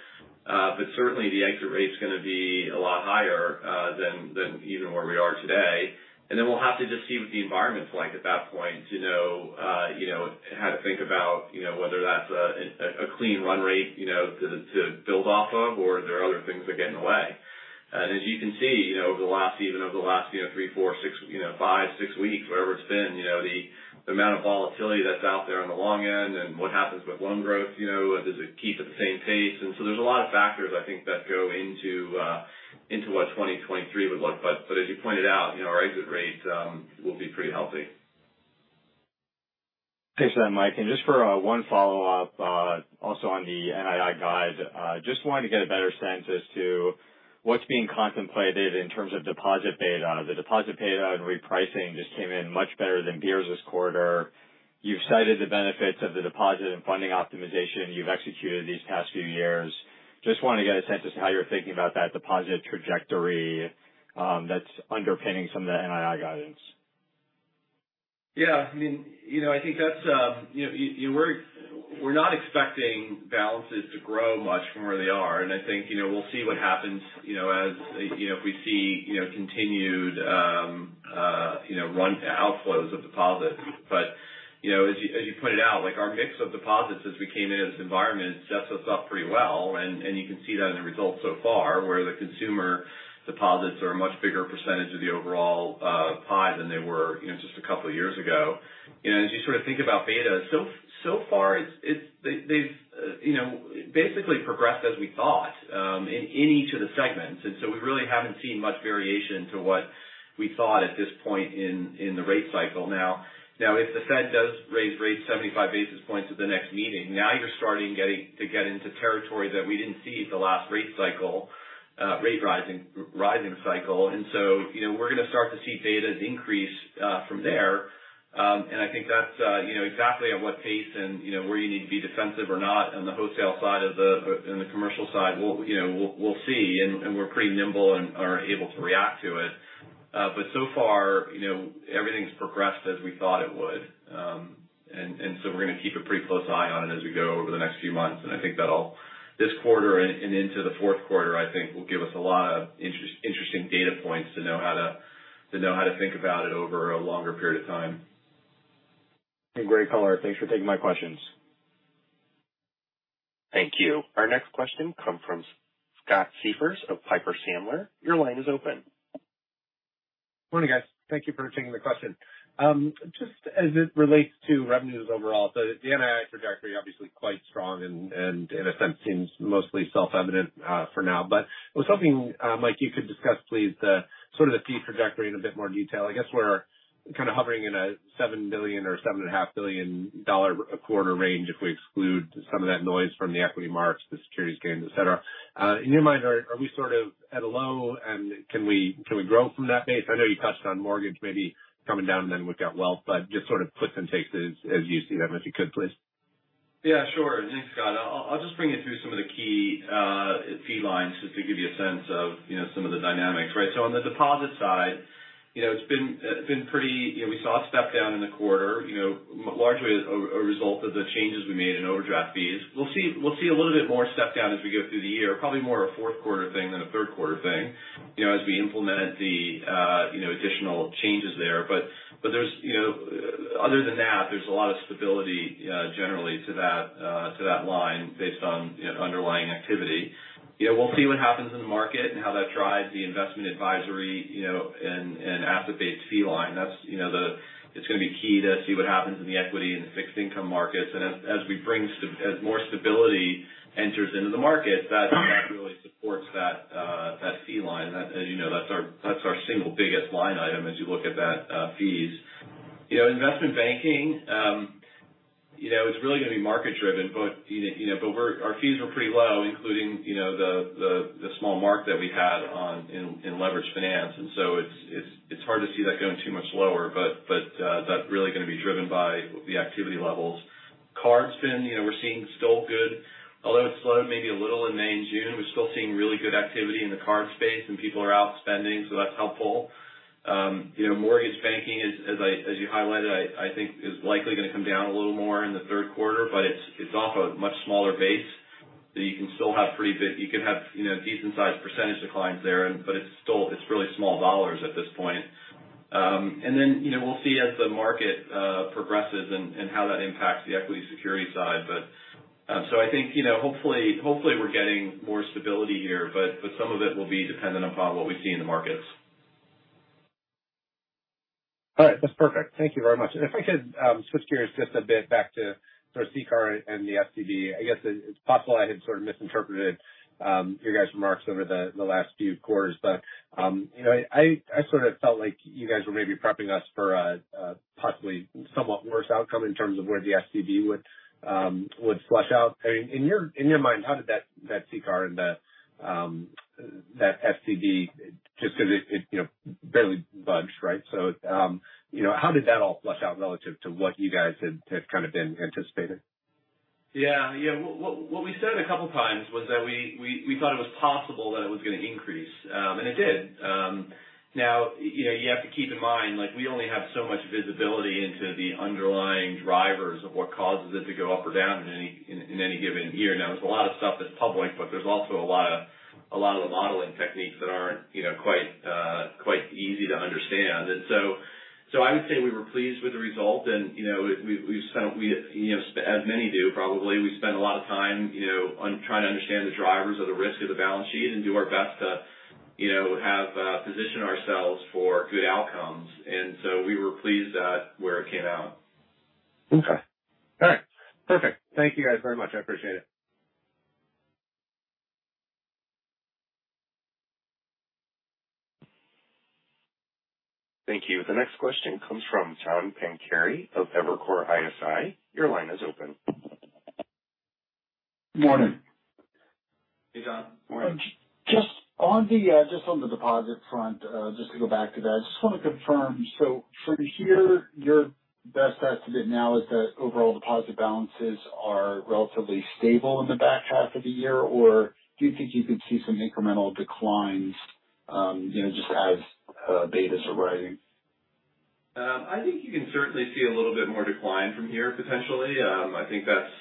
Certainly the exit rate's gonna be a lot higher than even where we are today. Then we'll have to just see what the environment's like at that point to know, you know, how to think about, you know, whether that's a clean run rate, you know, to build off of or are there other things that get in the way. As you can see, you know, over the last, you know, three, four, six, you know, five, six weeks, whatever it's been, you know, the amount of volatility that's out there on the long end and what happens with loan growth, you know, does it keep at the same pace? There's a lot of factors I think that go into what 2023 would look like. As you pointed out, you know, our exit rates will be pretty healthy. Thanks for that, Mike. Just for one follow-up, also on the NII guide. Just wanted to get a better sense as to what's being contemplated in terms of deposit beta. The deposit beta and repricing just came in much better than peers this quarter. You've cited the benefits of the deposit and funding optimization you've executed these past few years. Just wanna get a sense as to how you're thinking about that deposit trajectory, that's underpinning some of the NII guidance. Yeah, I mean, you know, I think that's, you know, we're not expecting balances to grow much from where they are. I think, you know, we'll see what happens, you know, as, you know, if we see, you know, continued, you know, run outflows of deposits. You know, as you, as you pointed out, like, our mix of deposits as we came into this environment sets us up pretty well, and you can see that in the results so far, where the consumer deposits are a much bigger percentage of the overall, pie than they were, you know, just a couple of years ago. You know, as you sort of think about beta, so far they've, you know, basically progressed as we thought, in each of the segments. We really haven't seen much variation to what we thought at this point in the rate cycle. Now if the Fed does raise rates 75 basis points at the next meeting, you're starting to get into territory that we didn't see at the last rate cycle, rate rising cycle. You know, we're gonna start to see betas increase from there. I think that's you know exactly at what pace and you know where you need to be defensive or not on the wholesale side in the commercial side, you know, we'll see. We're pretty nimble and are able to react to it. So far, you know, everything's progressed as we thought it would. We're gonna keep a pretty close eye on it as we go over the next few months. I think this quarter and into the fourth quarter, I think, will give us a lot of interesting data points to know how to think about it over a longer period of time. Great color. Thanks for taking my questions. Thank you. Our next question comes from Scott Siefers of Piper Sandler. Your line is open. Morning, guys. Thank you for taking the question. Just as it relates to revenues overall, so the NII trajectory obviously quite strong and in a sense seems mostly self-evident for now. It was something, Mike, you could discuss, please, the sort of fee trajectory in a bit more detail. I guess we're kind of hovering in a $7 billion or $7.5 billion a quarter range if we exclude some of that noise from the equity marks, the securities gains, et cetera. In your mind, are we sort of at a low and can we grow from that base? I know you touched on mortgage maybe coming down and then we've got wealth, but just sort of puts and takes as you see them, if you could, please. Yeah, sure. Thanks, Scott. I'll just bring you through some of the key fee lines just to give you a sense of, you know, some of the dynamics. Right. So on the deposit side, you know, it's been pretty, you know, we saw a step down in the quarter, you know, mainly a result of the changes we made in overdraft fees. We'll see a little bit more step down as we go through the year. Probably more a fourth quarter thing than a third quarter thing, you know, as we implement the, you know, additional changes there. But there's, you know, other than that, there's a lot of stability generally to that line based on, you know, underlying activity. You know, we'll see what happens in the market and how that drives the investment advisory, you know, and asset-based fee line. That's, you know, it's gonna be key to see what happens in the equity and the fixed income markets. As more stability enters into the market, that really supports that fee line. That, as you know, that's our single biggest line item as you look at those fees. You know, investment banking, you know, it's really gonna be market driven. Our fees were pretty low, including the small mark that we had in leverage finance. It's hard to see that going too much lower. That's really gonna be driven by the activity levels, cards been, you know, we're seeing still good. Although it's slowed maybe a little in May and June, we're still seeing really good activity in the card space and people are out spending, so that's helpful. You know, mortgage banking is, as you highlighted, I think is likely going to come down a little more in the third quarter, but it's off a much smaller base. So you can still have pretty big, you know, decent sized percentage declines there, but it's still really small dollars at this point. We'll see as the market progresses and how that impacts the equity securities side. I think, you know, hopefully we're getting more stability here. Some of it will be dependent upon what we see in the markets. All right. That's perfect. Thank you very much. If I could switch gears just a bit back to sort of CCAR and the SCB. I guess it's possible I had sort of misinterpreted your guys' remarks over the last few quarters, but you know, I sort of felt like you guys were maybe prepping us for possibly somewhat worse outcome in terms of where the SCB would flush out. I mean, in your mind, how did that CCAR and that SCB just 'cause it you know, barely budged, right? You know, how did that all flush out relative to what you guys had kind of been anticipating? Yeah. Yeah. What we said a couple of times was that we thought it was possible that it was going to increase. It did. Now, you know, you have to keep in mind, like, we only have so much visibility into the underlying drivers of what causes it to go up or down in any given year. Now, there's a lot of stuff that's public, but there's also a lot of the modeling techniques that aren't, you know, quite easy to understand. I would say we were pleased with the result. You know, we've spent you know as many do probably we spend a lot of time you know on trying to understand the drivers of the risk of the balance sheet and do our best to you know have position ourselves for good outcomes. We were pleased at where it came out. Okay. All right. Perfect. Thank you guys very much. I appreciate it. Thank you. The next question comes from John Pancari of Evercore ISI. Your line is open. Morning. Hey, John. Morning. Just on the deposit front, just to go back to that. I just want to confirm. From here, your best estimate now is that overall deposit balances are relatively stable in the back half of the year. Do you think you could see some incremental declines, you know, just as betas are rising? I think you can certainly see a little bit more decline from here, potentially. I think that's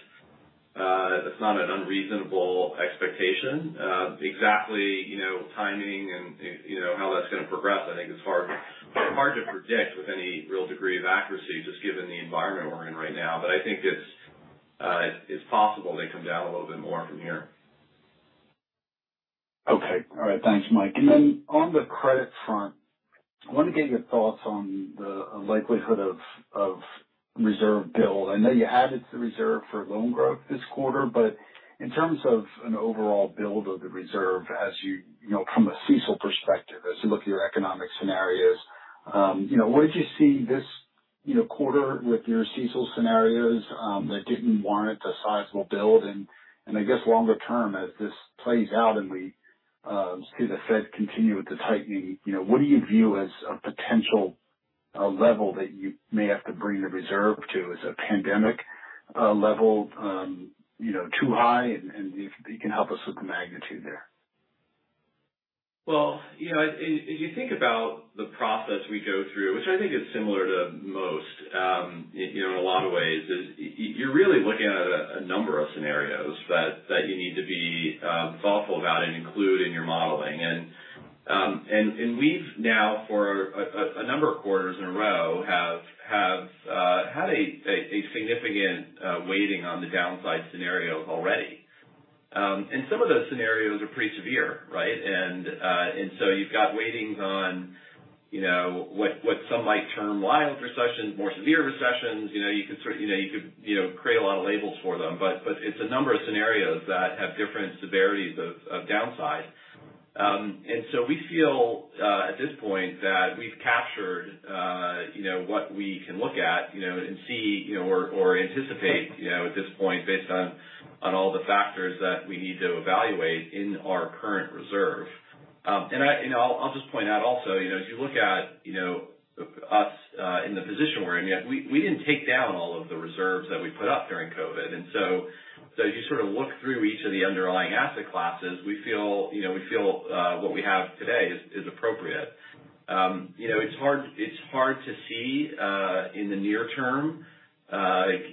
not an unreasonable expectation. Exactly, you know, timing and, you know, how that's going to progress, I think is hard to predict with any real degree of accuracy, just given the environment we're in right now. I think it's possible they come down a little bit more from here. Okay. All right. Thanks, Mike. On the credit front, I want to get your thoughts on the likelihood of reserve build. I know you added to the reserve for loan growth this quarter, but in terms of an overall build of the reserve, as you know, from a CECL perspective, as you look at your economic scenarios, you know, what did you see this quarter with your CECL scenarios that didn't warrant a sizable build? I guess longer term, as this plays out and we see the Fed continue with the tightening, you know, what do you view as a potential level that you may have to bring the reserve to? Is it pandemic level? You know, too high? And if you can help us with the magnitude there. Well, you know, if you think about the process we go through, which I think is similar to most, you know, in a lot of ways is you're really looking at a number of scenarios that you need to be thoughtful about and include in your modeling. We've now, for a number of quarters in a row, had a significant weighting on the downside scenarios already. Some of those scenarios are pretty severe, right? You've got weightings on, you know, what some might term wild recessions, more severe recessions. You know, you could sort of, you know, you could create a lot of labels for them. It's a number of scenarios that have different severities of downside. We feel at this point that we've captured, you know, what we can look at, you know, and see, you know, or anticipate, you know, at this point based on all the factors that we need to evaluate in our current reserve. I, you know, I'll just point out also, you know, as you look at, you know, us in the position we're in, we didn't take down all of the reserves that we put up during COVID. As you sort of look through each of the underlying asset classes, we feel, you know, what we have today is appropriate. You know, it's hard to see in the near term,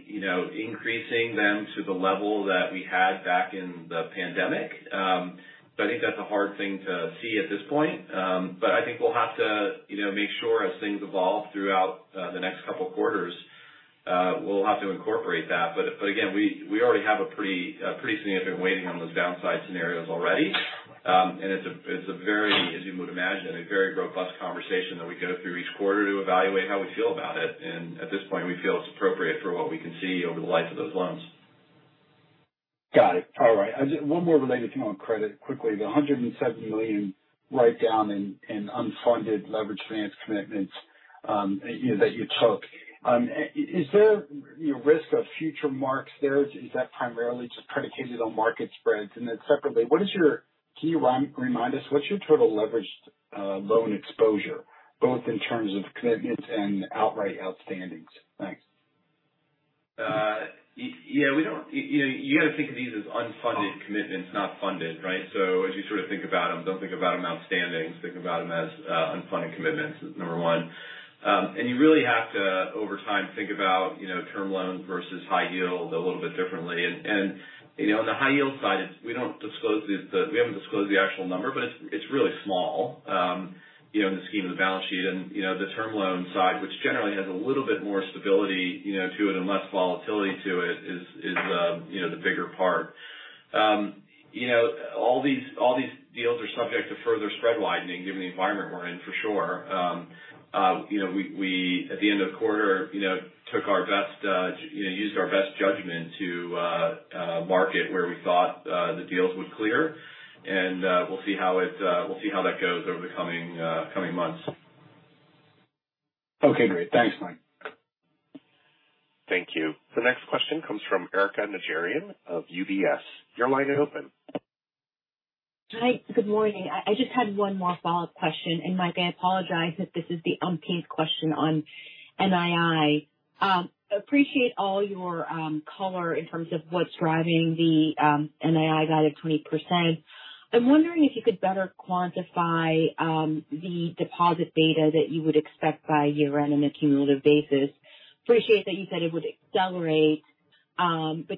you know, increasing them to the level that we had back in the pandemic. I think that's a hard thing to see at this point. I think we'll have to, you know, make sure as things evolve throughout the next couple quarters, we'll have to incorporate that. Again, we already have a pretty significant weighting on those downside scenarios already. It's a very, as you would imagine, a very robust conversation that we go through each quarter to evaluate how we feel about it. At this point, we feel it's appropriate for what we can see over the life of those loans. Got it. All right. One more related thing on credit quickly. The $107 million write-down in unfunded leveraged finance commitments, you know, that you took. Is there, you know, risk of future marks there? Is that primarily just predicated on market spreads? Separately, can you remind us what's your total leverage- Loan exposure, both in terms of commitments and outright outstandings. Thanks. Yeah, we don't. You gotta think of these as unfunded commitments, not funded, right? As you sort of think about them, don't think about them outstandings, think about them as unfunded commitments, number one. You really have to, over time, think about, you know, term loans versus high yield a little bit differently. You know, on the high yield side, it's we don't disclose the we haven't disclosed the actual number, but it's really small, you know, in the scheme of the balance sheet. You know, the term loan side, which generally has a little bit more stability, you know, to it and less volatility to it is, you know, the bigger part. You know, all these deals are subject to further spread widening given the environment we're in for sure. You know, we at the end of the quarter you know used our best judgment to market where we thought the deals would clear. We'll see how that goes over the coming months. Okay, great. Thanks, Mike. Thank you. The next question comes from Erika Najarian of UBS. Your line is open. Hi. Good morning. I just had one more follow-up question. Mike, I apologize if this is the umpteenth question on NII. Appreciate all your color in terms of what's driving the NII guide of 20%. I'm wondering if you could better quantify the deposit beta that you would expect by year-end on a cumulative basis. Appreciate that you said it would accelerate.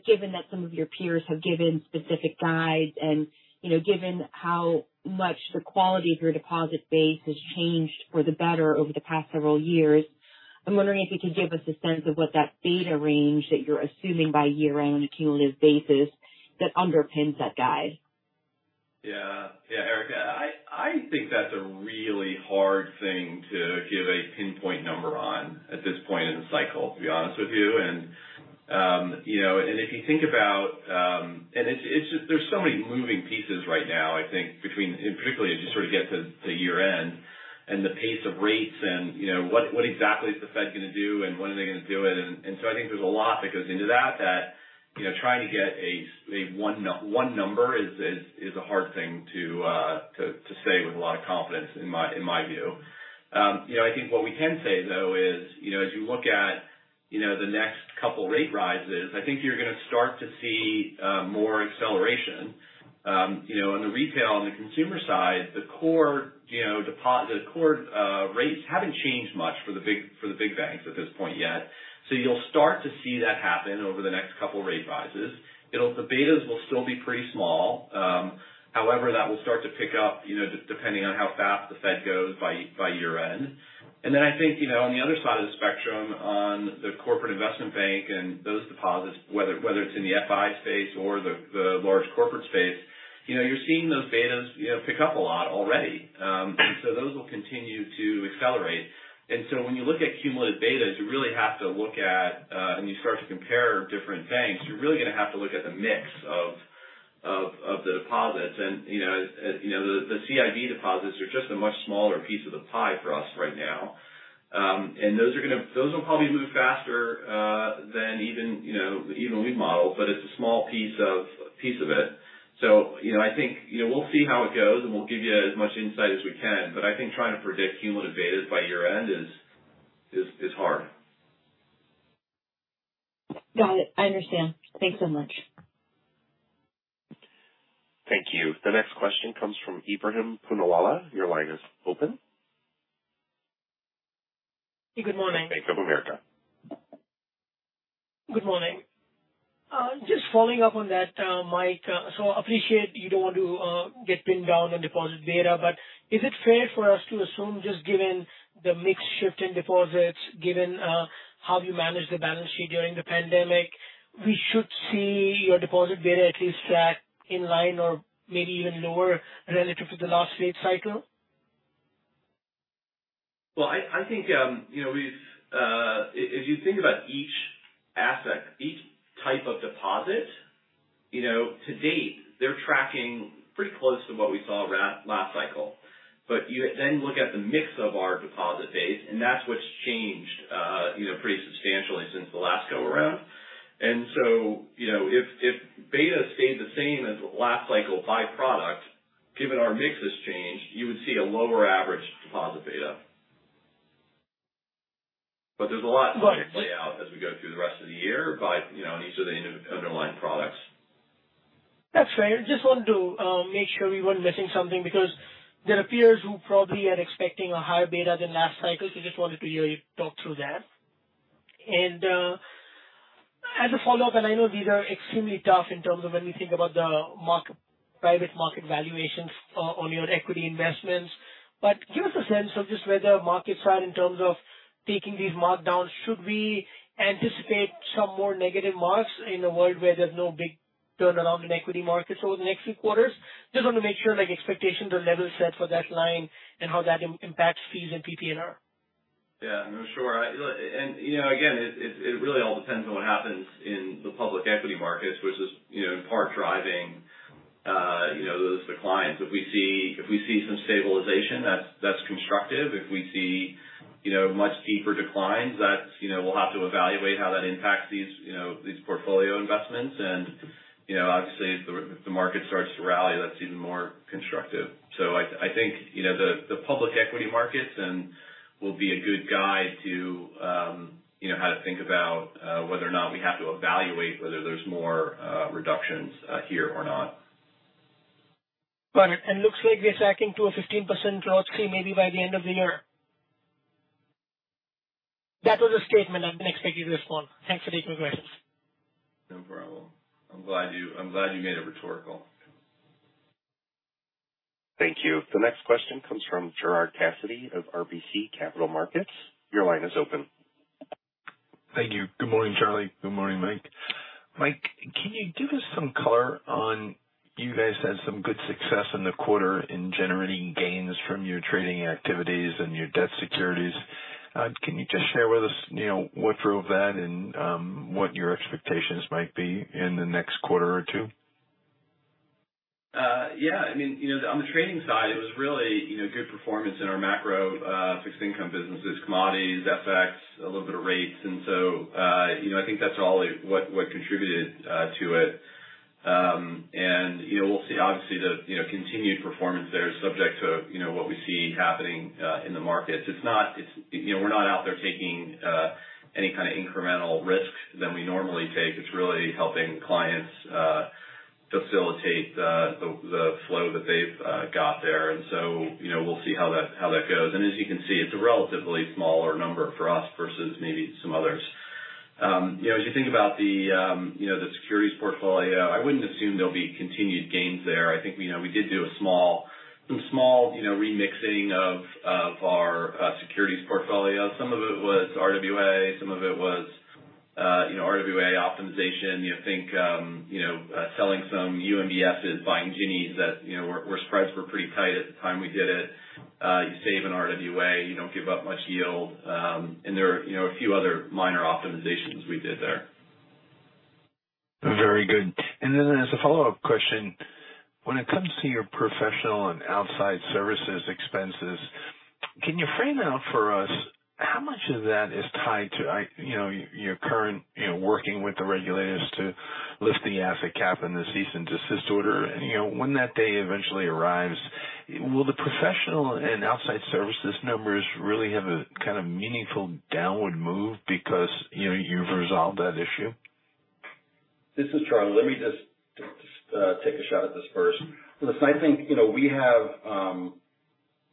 Given that some of your peers have given specific guides and, you know, given how much the quality of your deposit base has changed for the better over the past several years, I'm wondering if you could give us a sense of what that beta range that you're assuming by year-end on a cumulative basis that underpins that guide. Yeah. Yeah, Erika. I think that's a really hard thing to give a pinpoint number on at this point in the cycle, to be honest with you. You know, if you think about it. It's just there's so many moving pieces right now, I think, between, and particularly as you sort of get to year-end and the pace of rates and, you know, what exactly is the Fed gonna do, and when are they gonna do it? So I think there's a lot that goes into that, you know, trying to get a one number is a hard thing to say with a lot of confidence in my view. You know, I think what we can say though is, you know, as you look at, you know, the next couple rate rises, I think you're gonna start to see more acceleration. You know, on the retail, on the consumer side, the core, you know, rates haven't changed much for the big banks at this point yet. You'll start to see that happen over the next couple rate rises. It'll. The betas will still be pretty small. However, that will start to pick up, you know, depending on how fast the Fed goes by year-end. I think, you know, on the other side of the spectrum, on the corporate investment bank and those deposits, whether it's in the FI space or the large corporate space, you know, you're seeing those betas, you know, pick up a lot already. Those will continue to accelerate. When you look at cumulative betas, you really have to look at, and you start to compare different banks, you're really gonna have to look at the mix of the deposits. You know, you know, the CIB deposits are just a much smaller piece of the pie for us right now. Those will probably move faster than even, you know, even we've modeled, but it's a small piece of it. You know, I think, you know, we'll see how it goes, and we'll give you as much insight as we can. I think trying to predict cumulative betas by year-end is hard. Got it. I understand. Thanks so much. Thank you. The next question comes from Ebrahim Poonawala. Your line is open. Good morning. Bank of America. Good morning. Just following up on that, Mike. Appreciate you don't want to get pinned down on deposit beta. Is it fair for us to assume just given the mix shift in deposits, given how you manage the balance sheet during the pandemic, we should see your deposit beta at least in line or maybe even lower relative to the last rate cycle? Well, I think you know, if you think about each asset, each type of deposit, you know, to date, they're tracking pretty close to what we saw last cycle. You then look at the mix of our deposit base, and that's what's changed, you know, pretty substantially since the last go around. You know, if beta stayed the same as last cycle by product, given our mix has changed, you would see a lower average deposit beta. There's a lot- But- still gonna play out as we go through the rest of the year by, you know, on each of the underlying products. That's fair. Just wanted to make sure we weren't missing something because there are peers who probably are expecting a higher beta than last cycle. Just wanted to hear you talk through that. As a follow-up, and I know these are extremely tough in terms of when we think about the market, private market valuations, on your equity investments. Give us a sense of just where the markets are in terms of taking these markdowns. Should we anticipate some more negative marks in a world where there's no big turnaround in equity markets over the next few quarters? Just want to make sure, like, expectations are level set for that line and how that impacts fees and PPNR. Yeah. No, sure. You know, again, it really all depends on what happens in the public equity markets, which is, you know, in part driving. You know, those declines. If we see some stabilization, that's constructive. If we see much deeper declines, you know, we'll have to evaluate how that impacts these portfolio investments. You know, obviously, if the market starts to rally, that's even more constructive. I think the public equity markets then will be a good guide to how to think about whether or not we have to evaluate whether there's more reductions here or not. Got it. Looks like they're tracking to a 15% loss fee maybe by the end of the year. That was a statement. I didn't expect you to respond. Thanks for taking the questions. No problem. I'm glad you made it rhetorical. Thank you. The next question comes from Gerard Cassidy of RBC Capital Markets. Your line is open. Thank you. Good morning, Charlie. Good morning, Mike. Mike, can you give us some color on you guys had some good success in the quarter in generating gains from your trading activities and your debt securities. Can you just share with us, you know, what drove that and, what your expectations might be in the next quarter or two? Yeah, I mean, you know, on the trading side, it was really, you know, good performance in our macro, fixed income businesses, commodities, FX, a little bit of rates. I think that's what contributed to it. We'll see obviously the continued performance there is subject to what we see happening in the markets. It's not, you know, we're not out there taking any kind of incremental risks than we normally take. It's really helping clients facilitate the flow that they've got there. We'll see how that goes. As you can see, it's a relatively smaller number for us versus maybe some others. You know, as you think about the securities portfolio, I wouldn't assume there'll be continued gains there. I think, you know, we did some small remixing of our securities portfolio. Some of it was RWA, some of it was RWA optimization. You know, selling some UMBSs, buying Ginnie Maes that spreads were pretty tight at the time we did it. You save an RWA, you don't give up much yield. There are, you know, a few other minor optimizations we did there. Very good. As a follow-up question, when it comes to your professional and outside services expenses, can you frame out for us how much of that is tied to, you know, your current, you know, working with the regulators to lift the asset cap and the cease and desist order? You know, when that day eventually arrives, will the professional and outside services numbers really have a kind of meaningful downward move because, you know, you've resolved that issue? This is Charlie. Let me just take a shot at this first. Listen, I think, you know, we have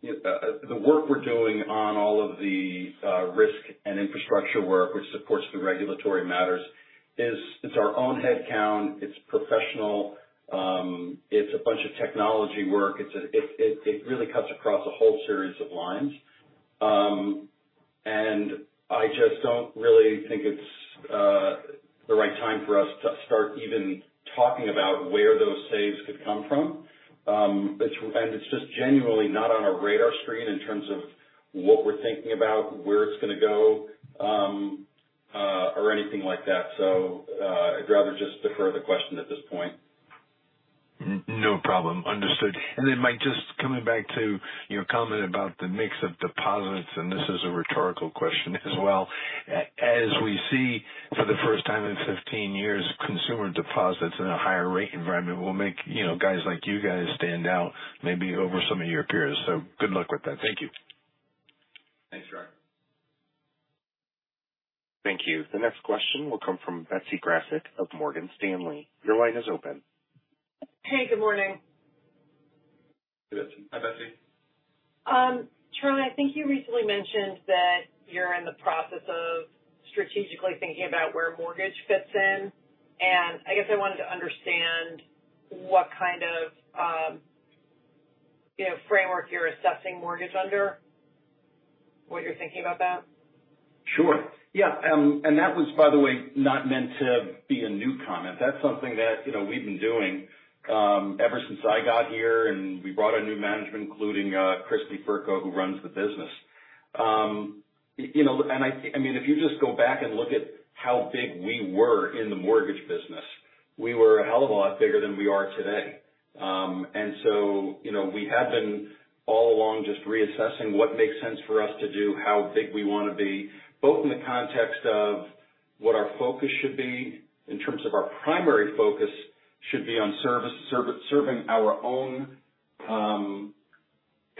the work we're doing on all of the risk and infrastructure work which supports the regulatory matters. It's our own headcount, it's professional, it's a bunch of technology work. It really cuts across a whole series of lines. I just don't really think it's the right time for us to start even talking about where those saves could come from. It's just genuinely not on our radar screen in terms of what we're thinking about, where it's gonna go, or anything like that. I'd rather just defer the question at this point. No problem. Understood. Mike, just coming back to your comment about the mix of deposits, and this is a rhetorical question as well. As we see for the first time in 15 years, consumer deposits in a higher rate environment will make, you know, guys like you guys stand out maybe over some of your peers. Good luck with that. Thank you. Thanks, Gerard. Thank you. The next question will come from Betsy Graseck of Morgan Stanley. Your line is open. Hey, good morning. Hey, Betsy. Hi, Betsy. Charlie, I think you recently mentioned that you're in the process of strategically thinking about where mortgage fits in, and I guess I wanted to understand what kind of, you know, framework you're assessing mortgage under. What you're thinking about that. Sure. Yeah. That was, by the way, not meant to be a new comment. That's something that, you know, we've been doing ever since I got here. We brought in new management, including Kristy Fercho, who runs the business. You know, I mean, if you just go back and look at how big we were in the mortgage business, we were a hell of a lot bigger than we are today. You know, we have been all along just reassessing what makes sense for us to do, how big we wanna be, both in the context of what our focus should be in terms of our primary focus should be on serving our own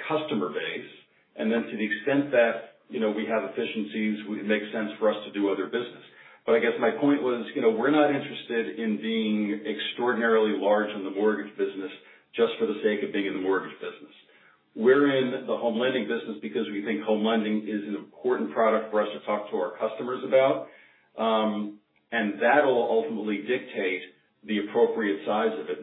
customer base. To the extent that, you know, we have efficiencies, it makes sense for us to do other business. I guess my point was, you know, we're not interested in being extraordinarily large in the mortgage business just for the sake of being in the mortgage business. We're in the home lending business because we think home lending is an important product for us to talk to our customers about. That'll ultimately dictate the appropriate size of it.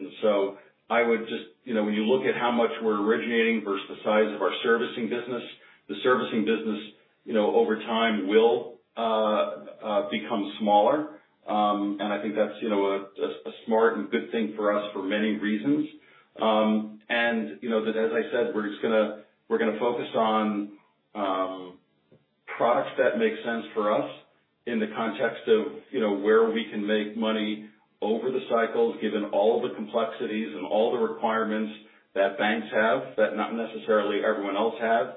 You know, when you look at how much we're originating versus the size of our servicing business, the servicing business, you know, over time will become smaller. I think that's, you know, a smart and good thing for us for many reasons. You know that as I said, we're gonna focus on products that make sense for us in the context of, you know, where we can make money over the cycles, given all the complexities and all the requirements that banks have that not necessarily everyone else has,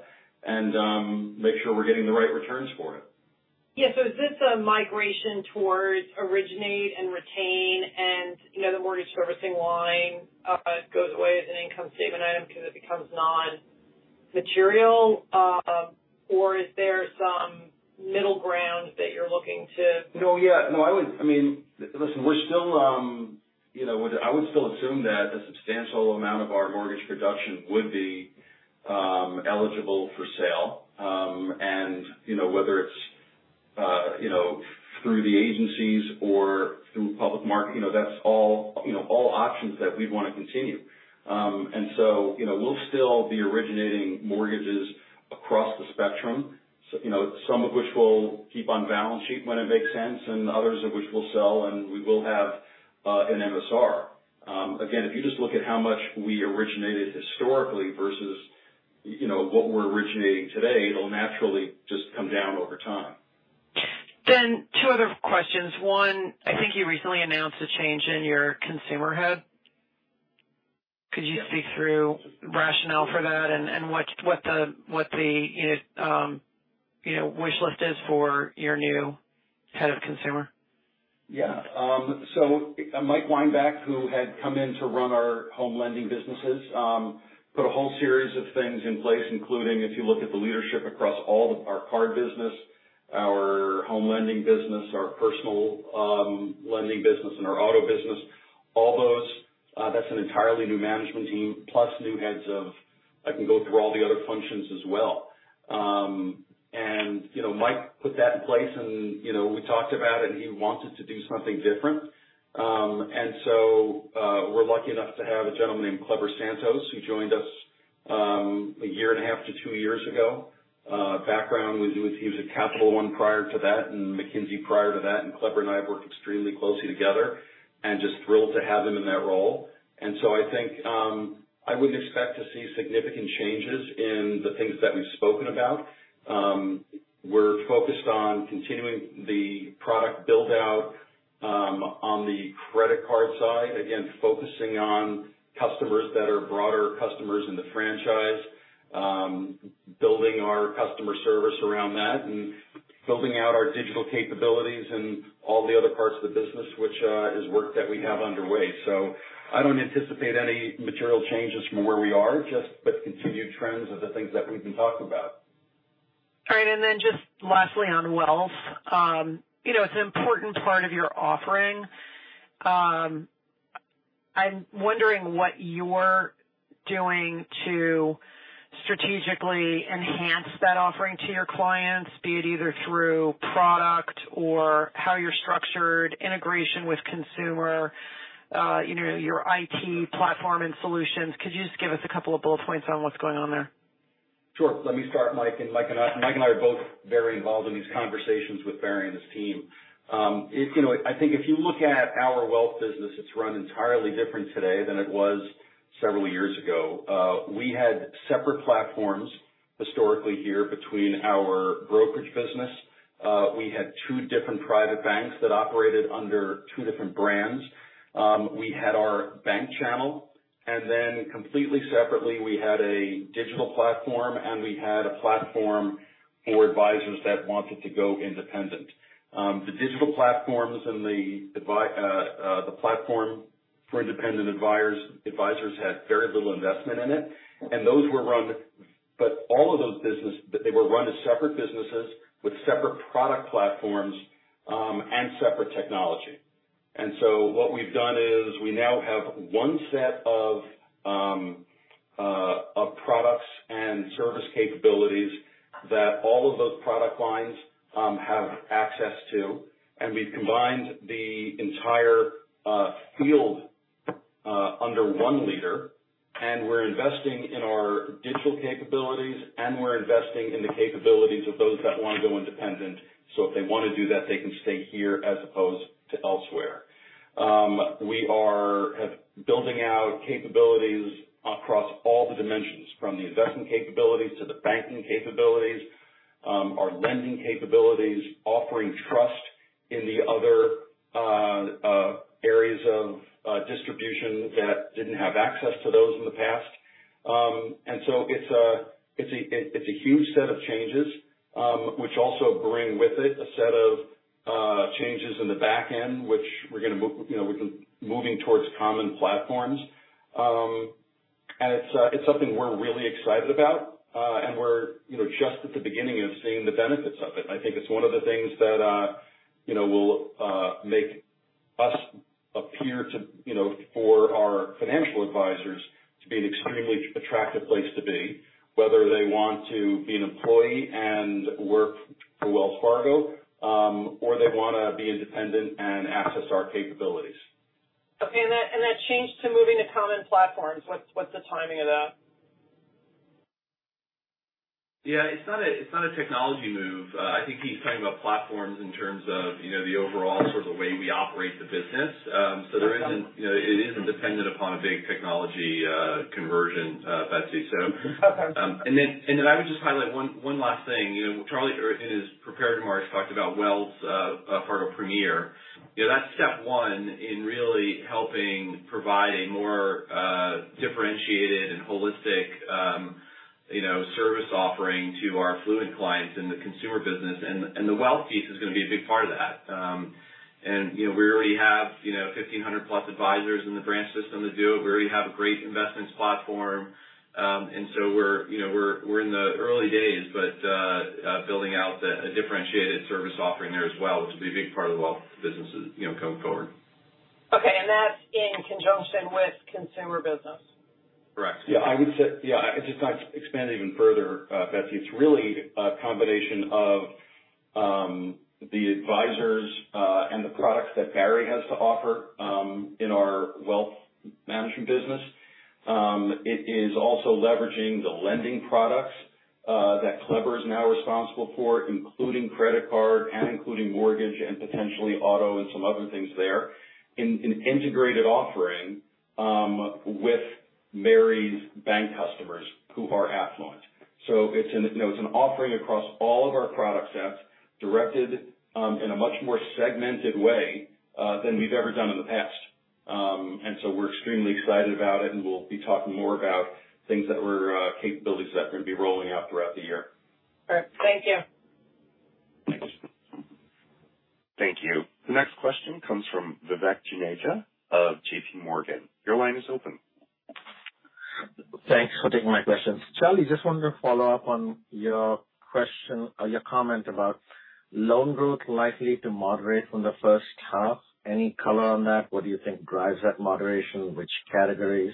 and make sure we're getting the right returns for it. Is this a migration towards originate and retain and, you know, the mortgage servicing line goes away as an income statement item because it becomes non-material? Or is there some middle ground that you're looking to- I mean, listen, we're still, you know, I would still assume that a substantial amount of our mortgage production would be eligible for sale. You know, whether it's through the agencies or through public market, you know, that's all options that we'd want to continue. You know, we'll still be originating mortgages across the spectrum. You know, some of which we'll keep on balance sheet when it makes sense, and others of which we'll sell, and we will have an MSR. Again, if you just look at how much we originated historically versus, you know, what we're originating today, it'll naturally just come down over time. Two other questions. One, I think you recently announced a change in your consumer head. Could you speak through rationale for that and what the, you know, you know, wishlist is for your new head of consumer? Yeah. Mike Weinbach, who had come in to run our home lending businesses, put a whole series of things in place, including if you look at the leadership across all of our card business, our home lending business, our personal lending business, and our auto business. All those, that's an entirely new management team, plus new heads of I can go through all the other functions as well. You know, Mike put that in place and, you know, we talked about it, and he wanted to do something different. We're lucky enough to have a gentleman named Kleber Santos, who joined us, a year and a half to two years ago. Background was he was at Capital One prior to that, and McKinsey prior to that. Kleber and I have worked extremely closely together, and just thrilled to have him in that role. I think, I wouldn't expect to see significant changes in the things that we've spoken about. We're focused on continuing the product build-out, on the credit card side. Again, focusing on customers that are broader customers in the franchise. Building our customer service around that and building out our digital capabilities in all the other parts of the business, which is work that we have underway. I don't anticipate any material changes from where we are just but continued trends of the things that we've been talking about. All right. Just lastly on wealth. You know, it's an important part of your offering. I'm wondering what you're doing to strategically enhance that offering to your clients, be it either through product or how you're structured, integration with consumer, you know, your IT platform and solutions. Could you just give us a couple of bullet points on what's going on there? Sure. Let me start. Mike and I are both very involved in these conversations with Barry and his team. It's, you know, I think if you look at our wealth business, it's run entirely different today than it was several years ago. We had separate platforms historically here between our brokerage business. We had two different private banks that operated under two different brands. We had our bank channel, and then completely separately, we had a digital platform, and we had a platform for advisors that wanted to go independent. The digital platforms and the platform for independent advisors had very little investment in it, and those were run. All of those business, they were run as separate businesses with separate product platforms, and separate technology. What we've done is we now have one set of products and service capabilities that all of those product lines have access to. We've combined the entire field under one leader, and we're investing in our digital capabilities, and we're investing in the capabilities of those that want to go independent. If they want to do that, they can stay here as opposed to elsewhere. We are building out capabilities across all the dimensions, from the investment capabilities to the banking capabilities, our lending capabilities, offering trusts and the other areas of distribution that didn't have access to those in the past. It's a huge set of changes, which also bring with it a set of changes in the back end, which, you know, we've been moving towards common platforms. It's something we're really excited about, and, you know, we're just at the beginning of seeing the benefits of it. I think it's one of the things that, you know, will make us appear to our financial advisors to be an extremely attractive place to be, whether they want to be an employee and work for Wells Fargo or they want to be independent and access our capabilities. Okay. That change to moving to common platforms, what's the timing of that? Yeah. It's not a technology move. Platforms in terms of, you know, the overall sort of way we operate the business. There isn't, you know, it isn't dependent upon a big technology conversion, Betsy. Okay. I would just highlight one last thing. You know, Charlie, in his prepared remarks talked about Wells Fargo Premier. You know, that's step one in really helping provide a more differentiated and holistic, you know, service offering to our affluent clients in the consumer business. The wealth piece is gonna be a big part of that. You know, we already have, you know, 1,500+ advisors in the branch system to do it. We already have a great investments platform. We're, you know, in the early days, but building out a differentiated service offering there as well, which will be a big part of the wealth businesses, you know, going forward. Okay. That's in conjunction with consumer business? Correct. Yeah, I just want to expand even further, Betsy. It's really a combination of the advisors and the products that Barry has to offer in our wealth management business. It is also leveraging the lending products that Kleber is now responsible for, including credit card and including mortgage and potentially auto and some other things there, in an integrated offering with Mary's bank customers who are affluent. So it's an, you know, it's an offering across all of our product sets, directed in a much more segmented way than we've ever done in the past. We're extremely excited about it, and we'll be talking more about capabilities that we're gonna be rolling out throughout the year. All right. Thank you. Thanks. Thank you. The next question comes from Vivek Juneja of JPMorgan. Your line is open. Thanks for taking my questions. Charlie, just wanted to follow up on your question or your comment about loan growth likely to moderate from the first half. Any color on that? What do you think drives that moderation? Which categories?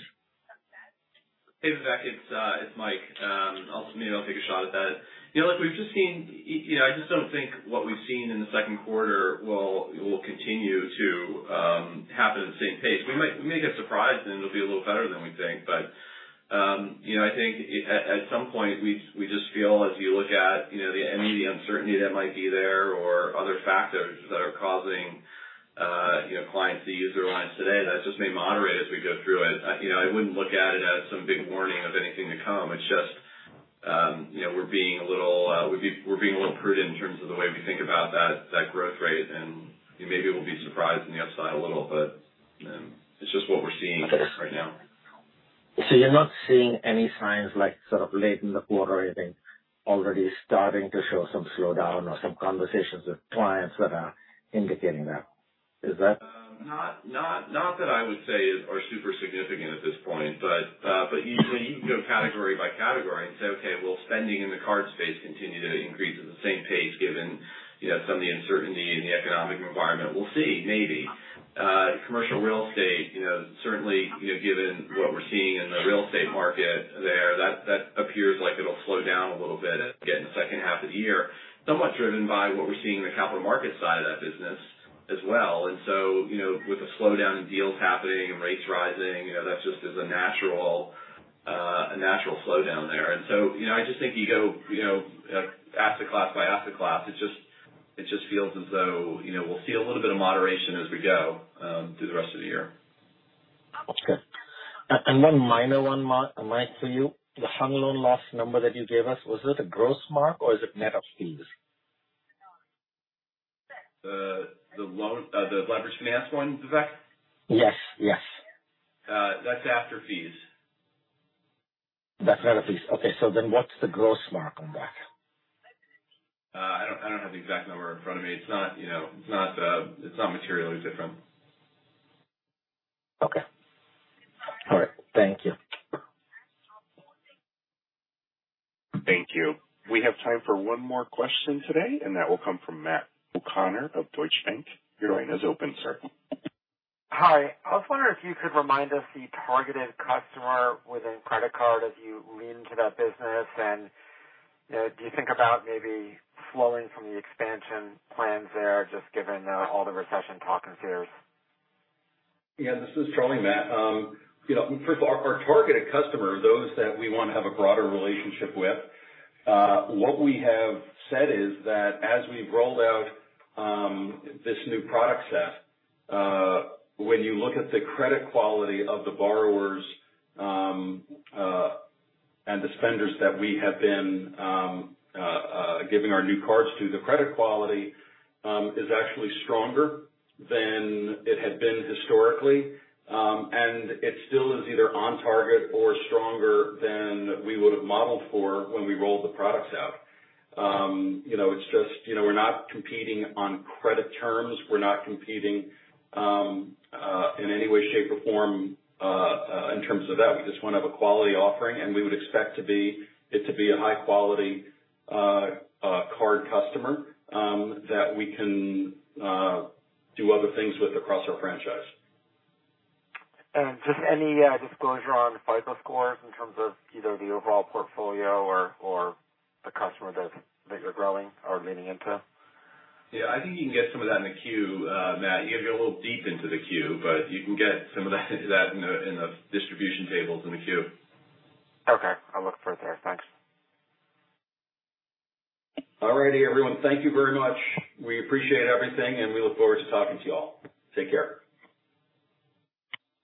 Hey, Vivek. It's Mike. I'll maybe take a shot at that. You know, look, we've just seen. You know, I just don't think what we've seen in the second quarter will continue to happen at the same pace. We might, we may get surprised, and it'll be a little better than we think. You know, I think at some point, we just feel as you look at, you know, any of the uncertainty that might be there or other factors that are causing, you know, clients to use their lines today, that just may moderate as we go through it. You know, I wouldn't look at it as some big warning of anything to come. It's just, you know, we're being a little prudent in terms of the way we think about that growth rate. Maybe we'll be surprised on the upside a little, but it's just what we're seeing right now. Okay. You're not seeing any signs like sort of late in the quarter or anything already starting to show some slowdown or some conversations with clients that are indicating that. Is that? Not that I would say is, are super significant at this point. You know, you can go category by category and say, "Okay, will spending in the card space continue to increase at the same pace given, you know, some of the uncertainty in the economic environment?" We'll see. Maybe. Commercial real estate, you know, certainly, you know, given what we're seeing in the real estate market there, that appears like it'll slow down a little bit, again, in the second half of the year. Somewhat driven by what we're seeing in the capital markets side of that business as well. You know, with the slowdown in deals happening and rates rising, you know, that just is a natural slowdown there. You know, I just think you go, you know, asset class by asset class. It just feels as though, you know, we'll see a little bit of moderation as we go through the rest of the year. Okay. One minor one, Mike, for you. The hung loan loss number that you gave us, was that a gross mark or is it net of fees? The loan, the leveraged finance one, Vivek? Yes. Yes. That's after fees. That's net of fees. Okay. What's the gross margin on that? I don't have the exact number in front of me. It's not, you know, materially different. Okay. All right. Thank you. Thank you. We have time for one more question today, and that will come from Matt O'Connor of Deutsche Bank. Your line is open, sir. Hi. I was wondering if you could remind us the targeted customer within credit card as you lean into that business. You know, do you think about maybe slowing from the expansion plans there just given all the recession talk and fears? Yeah. This is Charlie, Matt. You know, first of all, our targeted customer are those that we want to have a broader relationship with. What we have said is that as we've rolled out this new product set, when you look at the credit quality of the borrowers and the spenders that we have been giving our new cards to, the credit quality is actually stronger than it had been historically. It still is either on target or stronger than we would have modeled for when we rolled the products out. You know, it's just, you know, we're not competing on credit terms. We're not competing in any way, shape, or form in terms of that. We just want to have a quality offering, and we would expect to be, it to be a high-quality card customer that we can do other things with across our franchise. Just any disclosure on FICO scores in terms of either the overall portfolio or the customer that you're growing or leaning into? Yeah. I think you can get some of that in the Q, Matt. You gotta go a little deep into the Q, but you can get some of that in the distribution tables in the Q. Okay. I'll look for it there. Thanks. All righty, everyone. Thank you very much. We appreciate everything, and we look forward to talking to you all. Take care.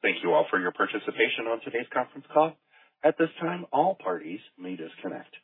Thank you all for your participation on today's conference call. At this time, all parties may disconnect.